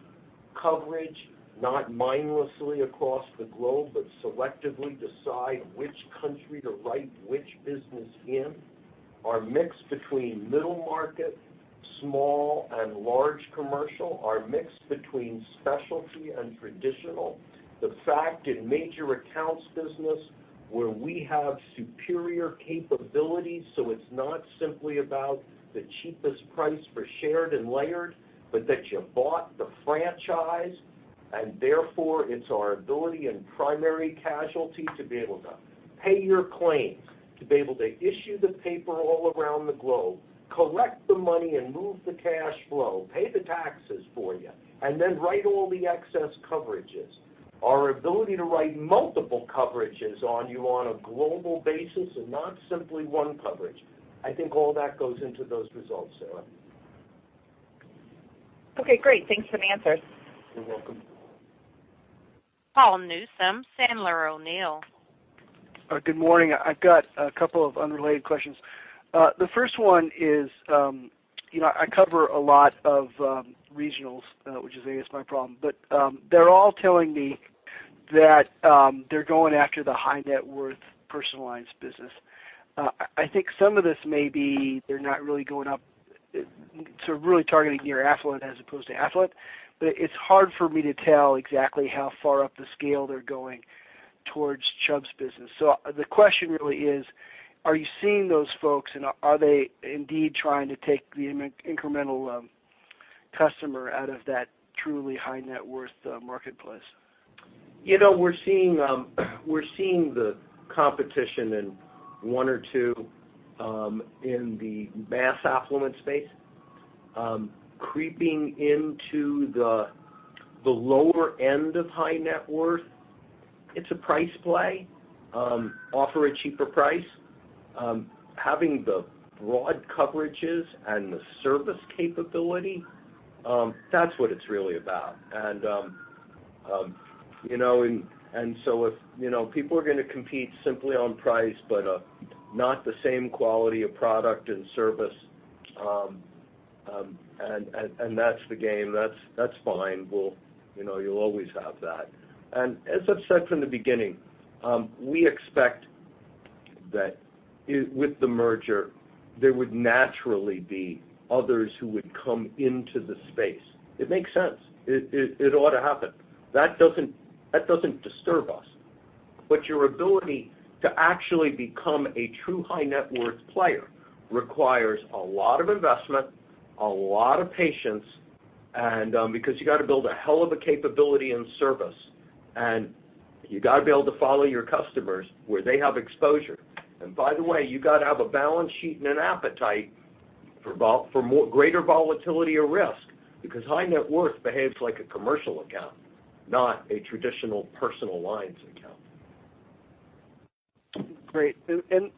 coverage, not mindlessly across the globe, but selectively decide which country to write which business in. Our mix between middle market, small and large commercial, our mix between specialty and traditional. The fact in major accounts business where we have superior capabilities. It's not simply about the cheapest price for shared and layered, but that you bought the franchise. Therefore it's our ability in primary casualty to be able to pay your claims, to be able to issue the paper all around the globe, collect the money and move the cash flow, pay the taxes for you, and then write all the excess coverages. Our ability to write multiple coverages on you on a global basis and not simply one coverage. I think all that goes into those results, Sarah. Okay, great. Thanks for the answers. You're welcome. Paul Newsome, Sandler O'Neill. Good morning. I've got a couple of unrelated questions. The first one is, I cover a lot of regionals, which I guess is my problem. They're all telling me that they're going after the high net worth personal lines business. I think some of this may be they're not really going up, so really targeting near affluent as opposed to affluent, it's hard for me to tell exactly how far up the scale they're going towards Chubb's business. The question really is, are you seeing those folks, and are they indeed trying to take the incremental customer out of that truly high net worth marketplace? We're seeing the competition in one or two in the mass affluent space creeping into the lower end of high net worth. It's a price play, offer a cheaper price, having the broad coverages and the service capability, that's what it's really about. If people are going to compete simply on price but not the same quality of product and service, and that's the game, that's fine. You'll always have that. As I've said from the beginning, we expect that with the merger, there would naturally be others who would come into the space. It makes sense. It ought to happen. That doesn't disturb us. Your ability to actually become a true high net worth player requires a lot of investment, a lot of patience, and because you got to build a hell of a capability in service, and you got to be able to follow your customers where they have exposure. By the way, you got to have a balance sheet and an appetite for greater volatility or risk, because high net worth behaves like a commercial account, not a traditional personal lines account.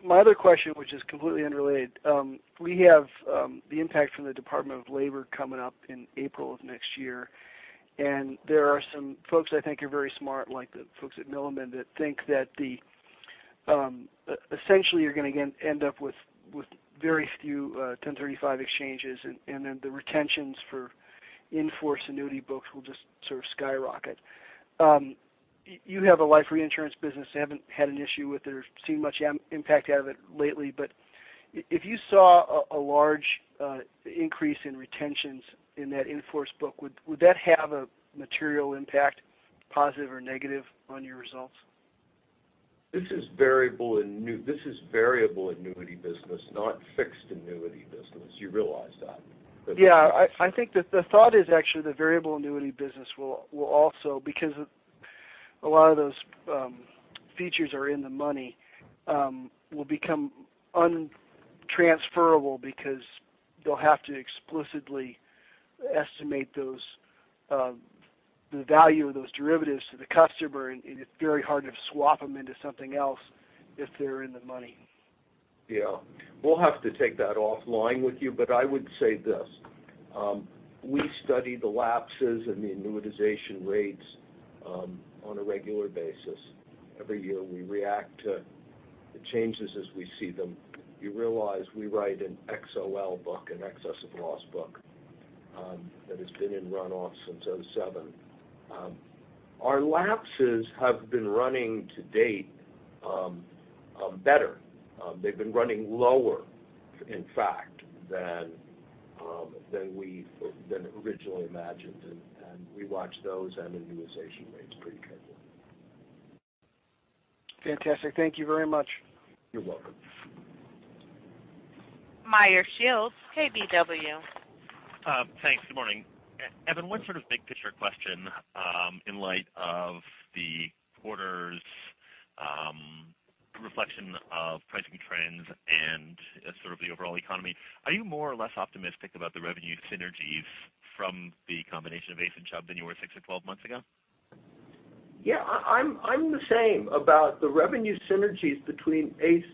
My other question, which is completely unrelated, we have the impact from the Department of Labor coming up in April of next year, and there are some folks I think are very smart, like the folks at Milliman, that think that essentially you're going to end up with very few 1035 exchanges, and then the retentions for in-force annuity books will just sort of skyrocket. You have a life reinsurance business. You haven't had an issue with it or seen much impact out of it lately, but if you saw a large increase in retentions in that in-force book, would that have a material impact, positive or negative, on your results? This is variable annuity business, not fixed annuity business. You realize that? Yeah. I think that the thought is actually the variable annuity business will also, because a lot of those features are in the money, will become untransferable because they'll have to explicitly estimate the value of those derivatives to the customer, and it's very hard to swap them into something else if they're in the money. Yeah. We'll have to take that offline with you, but I would say this. We study the lapses and the annuitization rates on a regular basis. Every year, we react to the changes as we see them. You realize we write an XOL book, an excess of loss book, that has been in runoff since 2007. Our lapses have been running to date better. They've been running lower, in fact, than we originally imagined, and we watch those and annuitization rates pretty carefully. Fantastic. Thank you very much. You're welcome. Meyer Shields, KBW. Thanks. Good morning. Evan, one sort of big picture question in light of the quarter's reflection of pricing trends and sort of the overall economy. Are you more or less optimistic about the revenue synergies from the combination of ACE and Chubb than you were six or 12 months ago? I'm the same about the revenue synergies between ACE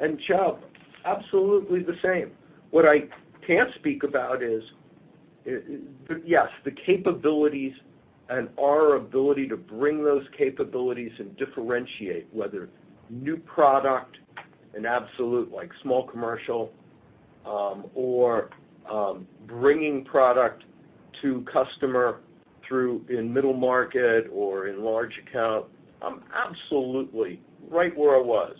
and Chubb. Absolutely the same. What I can't speak about is, yes, the capabilities and our ability to bring those capabilities and differentiate whether new product, an absolute like small commercial, or bringing product to customer through in middle market or in large account. I'm absolutely right where I was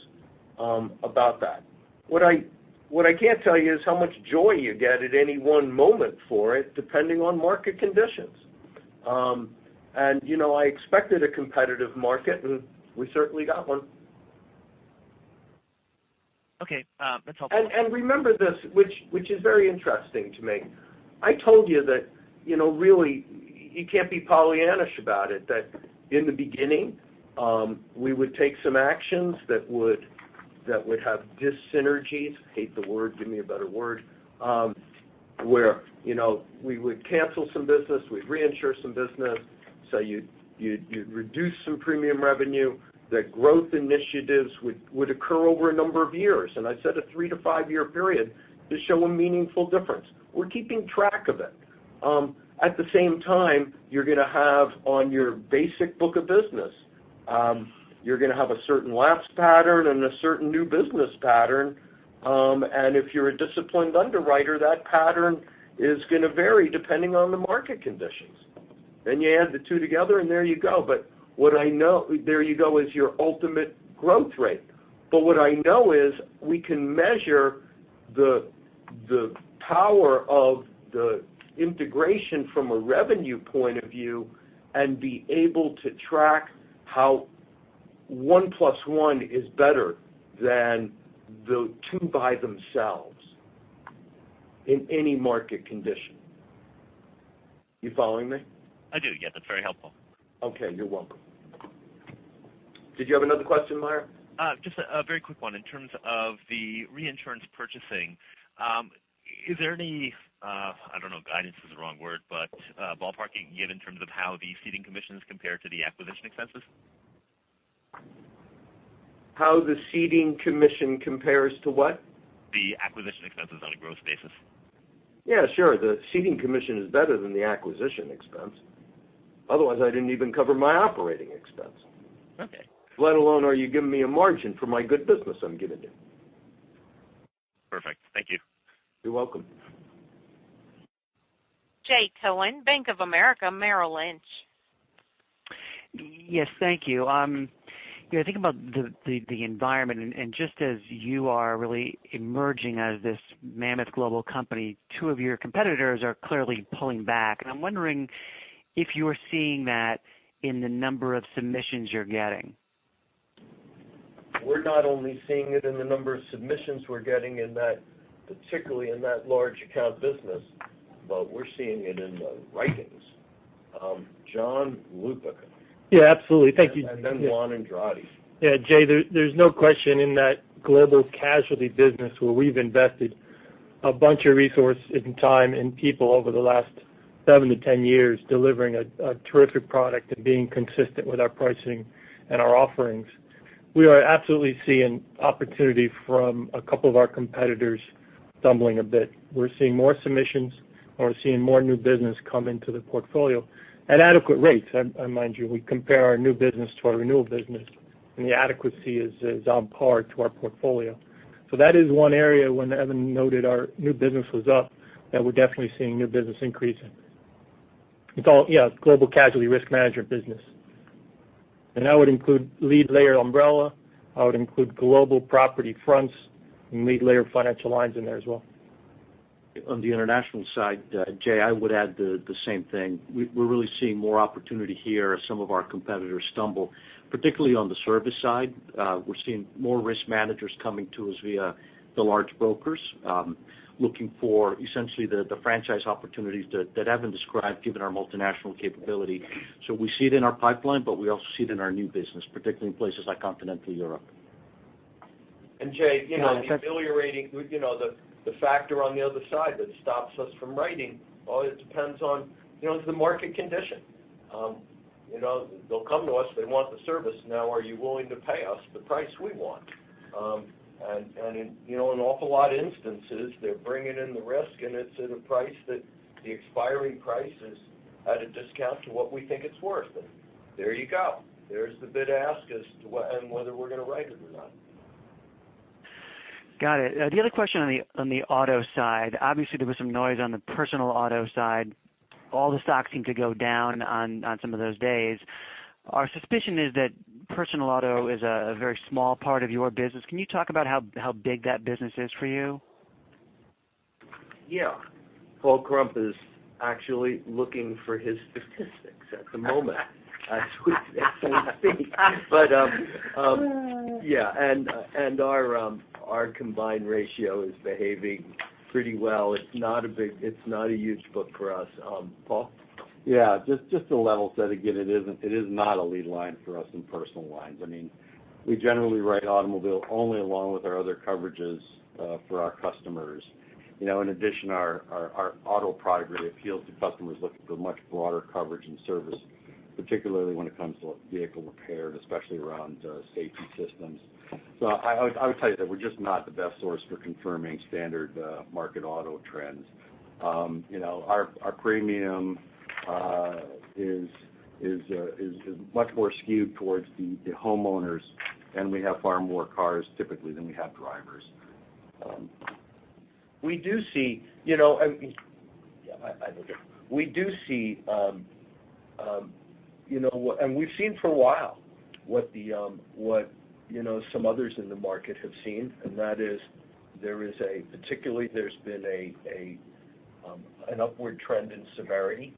about that. What I can't tell you is how much joy you get at any one moment for it, depending on market conditions. I expected a competitive market, and we certainly got one. Okay. That's helpful. Remember this, which is very interesting to me. I told you that really you can't be pollyannish about it, that in the beginning, we would take some actions that would have dyssynergies, hate the word, give me a better word, where we would cancel some business, we'd reinsure some business. You'd reduce some premium revenue, the growth initiatives would occur over a number of years, and I said a three-to-five-year period to show a meaningful difference. We're keeping track of it. At the same time, you're going to have on your basic book of business, you're going to have a certain lapse pattern and a certain new business pattern. If you're a disciplined underwriter, that pattern is going to vary depending on the market conditions. You add the two together, and there you go. There you go is your ultimate growth rate. What I know is we can measure the power of the integration from a revenue point of view and be able to track how one plus one is better than the two by themselves in any market condition. You following me? I do. Yeah, that's very helpful. Okay, you're welcome. Did you have another question, Meyer? Just a very quick one. In terms of the reinsurance purchasing, is there any, I don't know, guidance is the wrong word, but ballparking you can give in terms of how the ceding commissions compare to the acquisition expenses? How the ceding commission compares to what? The acquisition expenses on a gross basis. Yeah, sure. The ceding commission is better than the acquisition expense. Otherwise, I didn't even cover my operating expense. Okay. Let alone are you giving me a margin for my good business I'm giving you. Perfect. Thank you. You're welcome. Jay Cohen, Bank of America, Merrill Lynch. Yes, thank you. Thinking about the environment and just as you are really emerging as this mammoth global company, two of your competitors are clearly pulling back, and I'm wondering if you're seeing that in the number of submissions you're getting. We're not only seeing it in the number of submissions we're getting in that, particularly in that large account business, but we're seeing it in the writings. John Lupica. Yeah, absolutely. Thank you. Juan Andrade. Yeah, Jay, there's no question in that global casualty business where we've invested a bunch of resource and time and people over the last 7 to 10 years delivering a terrific product and being consistent with our pricing and our offerings. We are absolutely seeing opportunity from a couple of our competitors stumbling a bit. We're seeing more submissions or seeing more new business come into the portfolio at adequate rates. Mind you, we compare our new business to our renewal business, and the adequacy is on par to our portfolio. That is one area when Evan noted our new business was up, that we're definitely seeing new business increase in. It's all, yeah, global casualty risk manager business. That would include lead layer umbrella, I would include global property fronts and lead layer financial lines in there as well. On the international side, Jay, I would add the same thing. We're really seeing more opportunity here as some of our competitors stumble, particularly on the service side. We're seeing more risk managers coming to us via the large brokers, looking for essentially the franchise opportunities that Evan described, given our multinational capability. We see it in our pipeline, but we also see it in our new business, particularly in places like Continental Europe. Jay, the ameliorating factor on the other side that stops us from writing, well, it depends on the market condition. They'll come to us, they want the service. Are you willing to pay us the price we want? An awful lot of instances, they're bringing in the risk, and it's at a price that the expiring price is at a discount to what we think it's worth. There you go. There's the bid-ask as to whether we're going to write it or not. Got it. The other question on the auto side, obviously, there was some noise on the personal auto side. All the stocks seem to go down on some of those days. Our suspicion is that personal auto is a very small part of your business. Can you talk about how big that business is for you? Yeah. Paul Krump is actually looking for his statistics at the moment as we speak. Yeah, our combined ratio is behaving pretty well. It's not a huge book for us. Paul? Yeah, just a level set. Again, it is not a lead line for us in personal lines. We generally write automobile only along with our other coverages for our customers. In addition, our auto product really appeals to customers looking for much broader coverage and service, particularly when it comes to vehicle repair and especially around safety systems. I would tell you that we're just not the best source for confirming standard market auto trends. Our premium is much more skewed towards the homeowners, and we have far more cars typically than we have drivers. We do see, we've seen for a while what some others in the market have seen, that is there is particularly an upward trend in severity.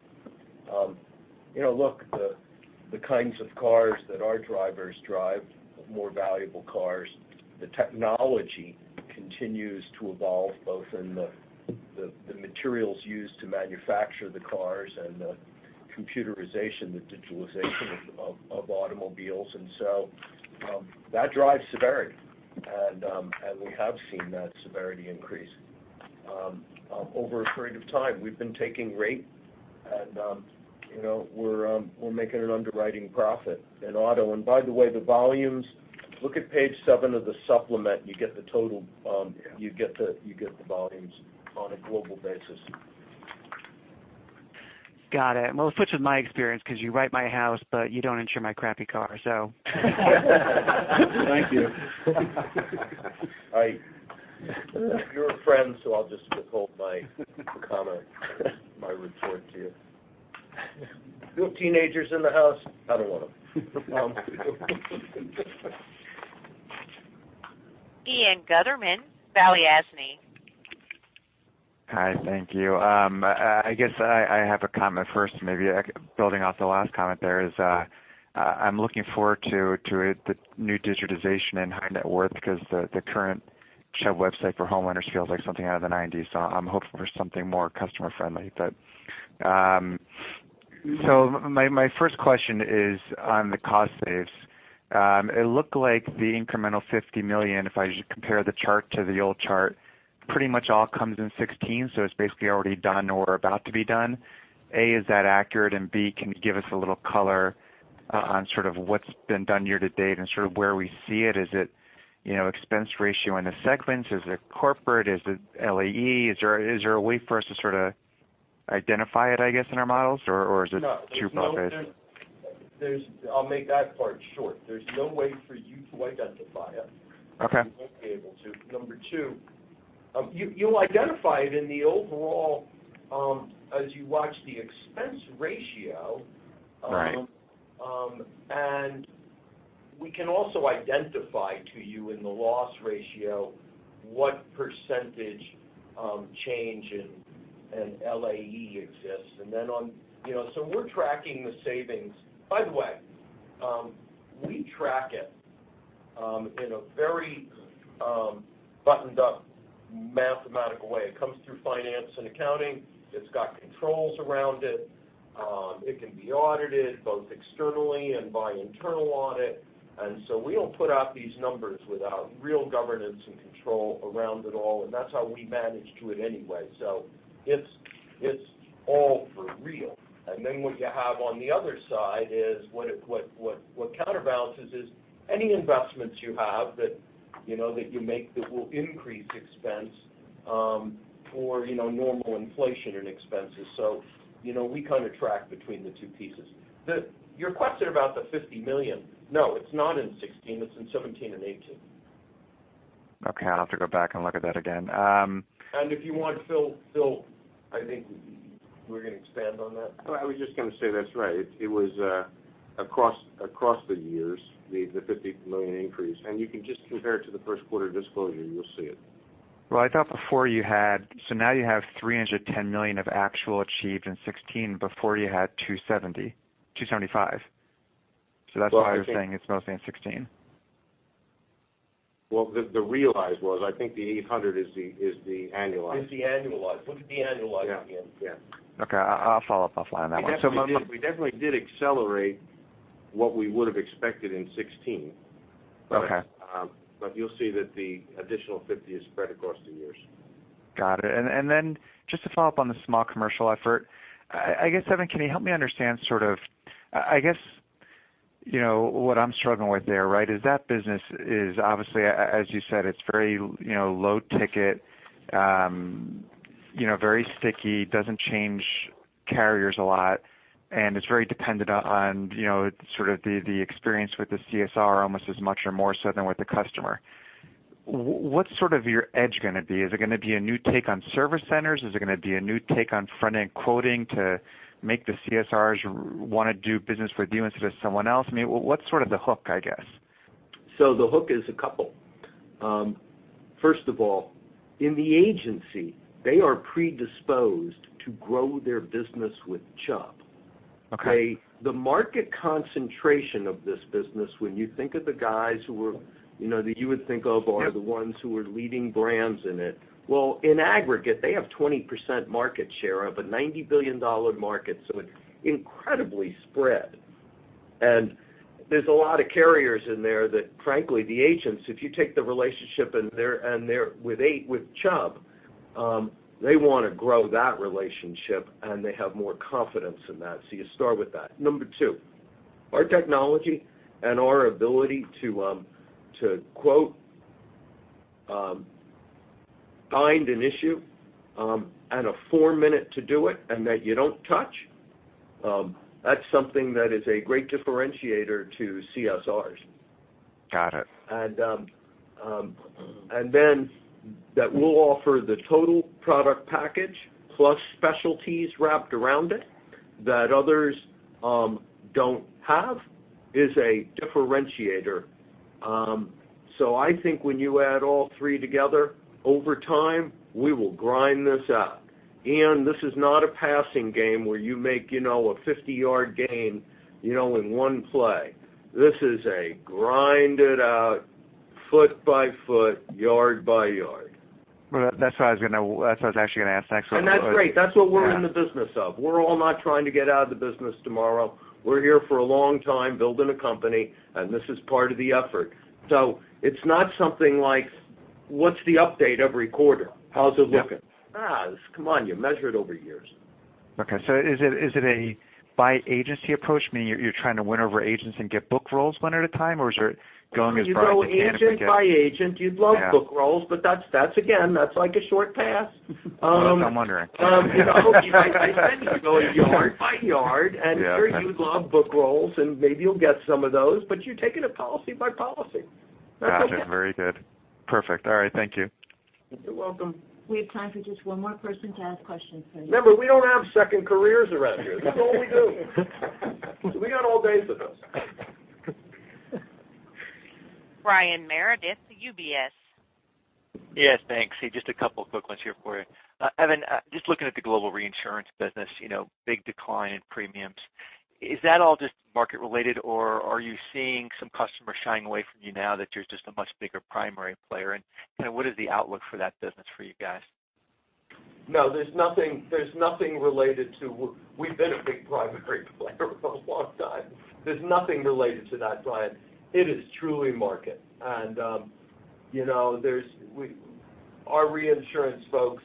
Look, the kinds of cars that our drivers drive, more valuable cars, the technology continues to evolve, both in the materials used to manufacture the cars and the computerization, the digitalization of automobiles, that drives severity. We have seen that severity increase. Over a period of time, we've been taking rate, we're making an underwriting profit in auto. By the way, the volumes, look at page seven of the supplement. You get the volumes on a global basis. Got it. Which is my experience, because you write my house, you don't insure my crappy car. Thank you. You're a friend, I'll just withhold my comment, my retort to you. No teenagers in the house. I don't want them. Ian Gutterman, Balyasny. Hi, thank you. I guess I have a comment first, maybe building off the last comment there is, I'm looking forward to the new digitization in high net worth because the current Chubb website for homeowners feels like something out of the '90s. I'm hoping for something more customer friendly. My first question is on the cost saves. It looked like the incremental $50 million, if I compare the chart to the old chart, pretty much all comes in 2016, it's basically already done or about to be done. A, is that accurate? B, can you give us a little color on sort of what's been done year to date and sort of where we see it? Is it expense ratio in the segments? Is it corporate? Is it LAE? Is there a way for us to sort of identify it, I guess, in our models? No. I'll make that part short. There's no way for you to identify it. Okay. You won't be able to. Number two, you'll identify it in the overall, as you watch the expense ratio. Right. We can also identify to you in the loss ratio what percentage change in LAE exists. We're tracking the savings. By the way, we track it in a very buttoned-up mathematical way. It comes through finance and accounting. It's got controls around it. It can be audited both externally and by internal audit. We don't put out these numbers without real governance and control around it all, and that's how we manage to it anyway. It's all for real. What you have on the other side is what counterbalances is any investments you have that you make that will increase expense, or normal inflation in expenses. We kind of track between the two pieces. Your question about the $50 million. No, it's not in 2016, it's in 2017 and 2018. Okay, I'll have to go back and look at that again. If you want, Phil, I think we're going to expand on that. I was just going to say that's right. It was across the years, the $50 million increase, and you can just compare it to the first quarter disclosure, you'll see it. I thought before you had. Now you have $310 million of actual achieved in 2016. Before, you had $270, $275. That's why I was saying it's mostly in 2016. The realized was. I think the $800 is the annualized. It's the annualized. Look at the annualized, Ian. Okay. I'll follow up offline on that one. We definitely did accelerate what we would have expected in 2016. Okay. You'll see that the additional 50 is spread across the years. Got it. Just to follow up on the small commercial effort, I guess, Evan, can you help me understand what I'm struggling with there, right, is that business is obviously, as you said, it's very low ticket, very sticky, doesn't change carriers a lot, and it's very dependent on sort of the experience with the CSR almost as much or more so than with the customer. What's sort of your edge going to be? Is it going to be a new take on service centers? Is it going to be a new take on front-end quoting to make the CSRs want to do business with you instead of someone else? I mean, what's sort of the hook, I guess? The hook is a couple. First of all, in the agency, they are predisposed to grow their business with Chubb. Okay. The market concentration of this business, when you think of the guys that you would think of are the ones who are leading brands in it. Well, in aggregate, they have 20% market share of a $90 billion market, it's incredibly spread. There's a lot of carriers in there that frankly, the agents, if you take the relationship with Chubb, they want to grow that relationship, and they have more confidence in that. You start with that. Number 2, our technology and our ability to quote, bind an issue, and a 4-minute to do it, and that you don't touch, that's something that is a great differentiator to CSRs. Got it. That we'll offer the total product package plus specialties wrapped around it that others don't have is a differentiator. I think when you add all three together over time, we will grind this out. Ian, this is not a passing game where you make a 50-yard gain in one play. This is a grind-it-out foot by foot, yard by yard. Well, that's what I was actually going to ask next. That's great. That's what we're in the business of. We're all not trying to get out of the business tomorrow. We're here for a long time building a company, and this is part of the effort. It's not something like, what's the update every quarter? How's it looking? Yep. Nah. Come on, you measure it over years. Is it a by agency approach, meaning you're trying to win over agents and get book rolls one at a time? Or is it going as broad as you can to get- You go agent by agent. You'd love book rolls, that's again like a short pass. I'm wondering. You know, I tend to go yard by yard. Yeah. sure, you'd love book rolls, and maybe you'll get some of those, but you take it policy by policy. Got you. Very good. Perfect. All right. Thank you. You're welcome. We have time for just one more person to ask questions, please. Remember, we don't have second careers around here. That's all we do. We got all day for this. Brian Meredith, UBS. Yes, thanks. Just a couple of quick ones here for you. Evan, just looking at the global reinsurance business, big decline in premiums. Is that all just market related, or are you seeing some customers shying away from you now that you're just a much bigger primary player? What is the outlook for that business for you guys? No, there's nothing related to. We've been a big primary player for a long time. There's nothing related to that, Brian. It is truly market. Our reinsurance folks,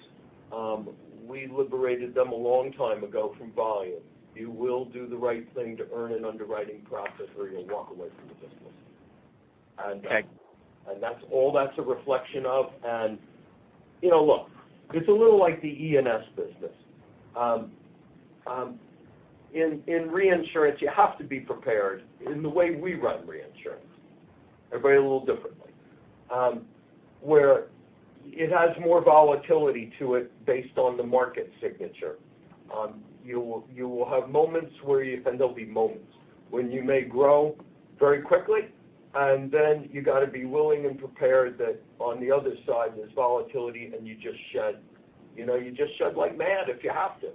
we liberated them a long time ago from volume. You will do the right thing to earn an underwriting profit, or you'll walk away from the business. Okay. That's all that's a reflection of. Look, it's a little like the E&S business. In reinsurance, you have to be prepared in the way we run reinsurance. Everybody a little differently, where it has more volatility to it based on the market signature. You will have moments where you, there'll be moments when you may grow very quickly, and then you got to be willing and prepared that on the other side, there's volatility and you just shed like mad if you have to,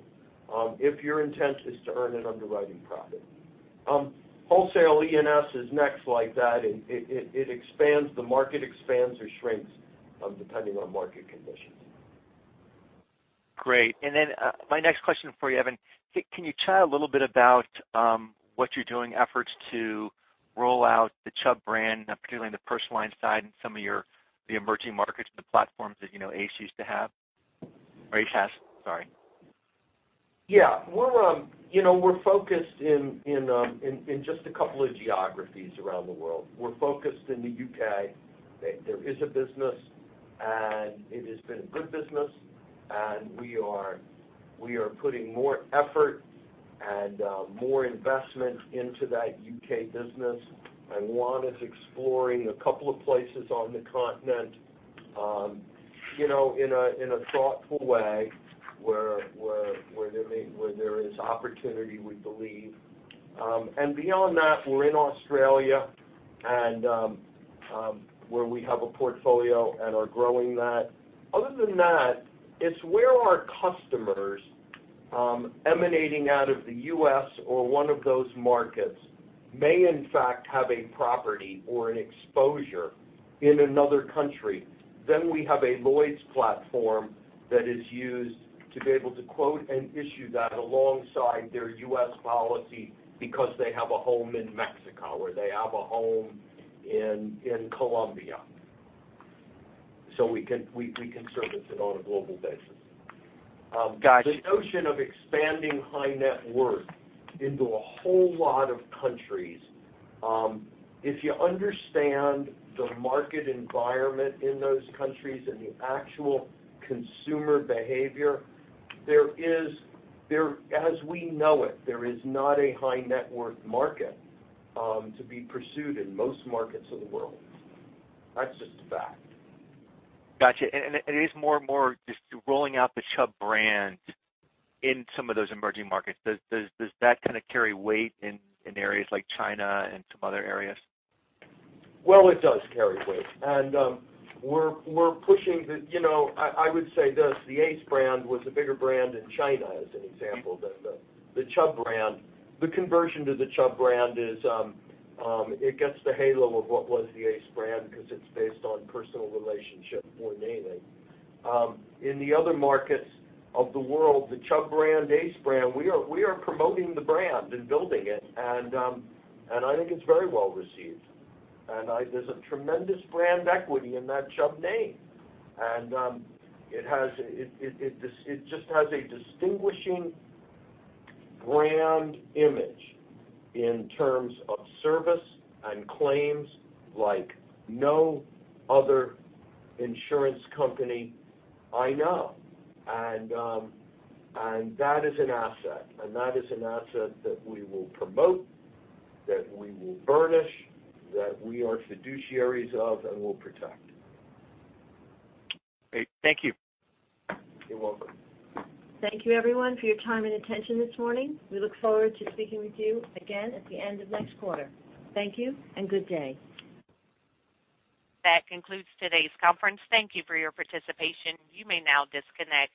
if your intent is to earn an underwriting profit. Wholesale E&S is next like that. It expands, the market expands or shrinks, depending on market conditions. Great. Then my next question for you, Evan, can you chat a little bit about what you're doing, efforts to roll out the Chubb brand, particularly in the personal line side and some of the emerging markets and the platforms that ACE used to have? Or ACAS, sorry. Yeah. We're focused in just a couple of geographies around the world. We're focused in the U.K. There is a business, it has been a good business, and we are putting more effort and more investment into that U.K. business. Juan is exploring a couple of places on the continent, in a thoughtful way, where there is opportunity, we believe. Beyond that, we're in Australia, where we have a portfolio and are growing that. Other than that, it's where our customers emanating out of the U.S. or one of those markets may in fact have a property or an exposure in another country. We have a Lloyd's platform that is used to be able to quote and issue that alongside their U.S. policy because they have a home in Mexico, or they have a home in Colombia. We can service it on a global basis. Got you. The notion of expanding high net worth into a whole lot of countries, if you understand the market environment in those countries and the actual consumer behavior, as we know it, there is not a high net worth market to be pursued in most markets of the world. That's just a fact. Got you. It is more just rolling out the Chubb brand in some of those emerging markets. Does that kind of carry weight in areas like China and some other areas? Well, it does carry weight. We're pushing the, I would say this, the ACE brand was a bigger brand in China, as an example, than the Chubb brand. The conversion to the Chubb brand, it gets the halo of what was the ACE brand because it's based on personal relationship more namely. In the other markets of the world, the Chubb brand, ACE brand, we are promoting the brand and building it, and I think it's very well received. There's a tremendous brand equity in that Chubb name. It just has a distinguishing brand image in terms of service and claims like no other insurance company I know. That is an asset. That is an asset that we will promote, that we will burnish, that we are fiduciaries of, and will protect. Great. Thank you. You're welcome. Thank you everyone for your time and attention this morning. We look forward to speaking with you again at the end of next quarter. Thank you and good day. That concludes today's conference. Thank you for your participation. You may now disconnect.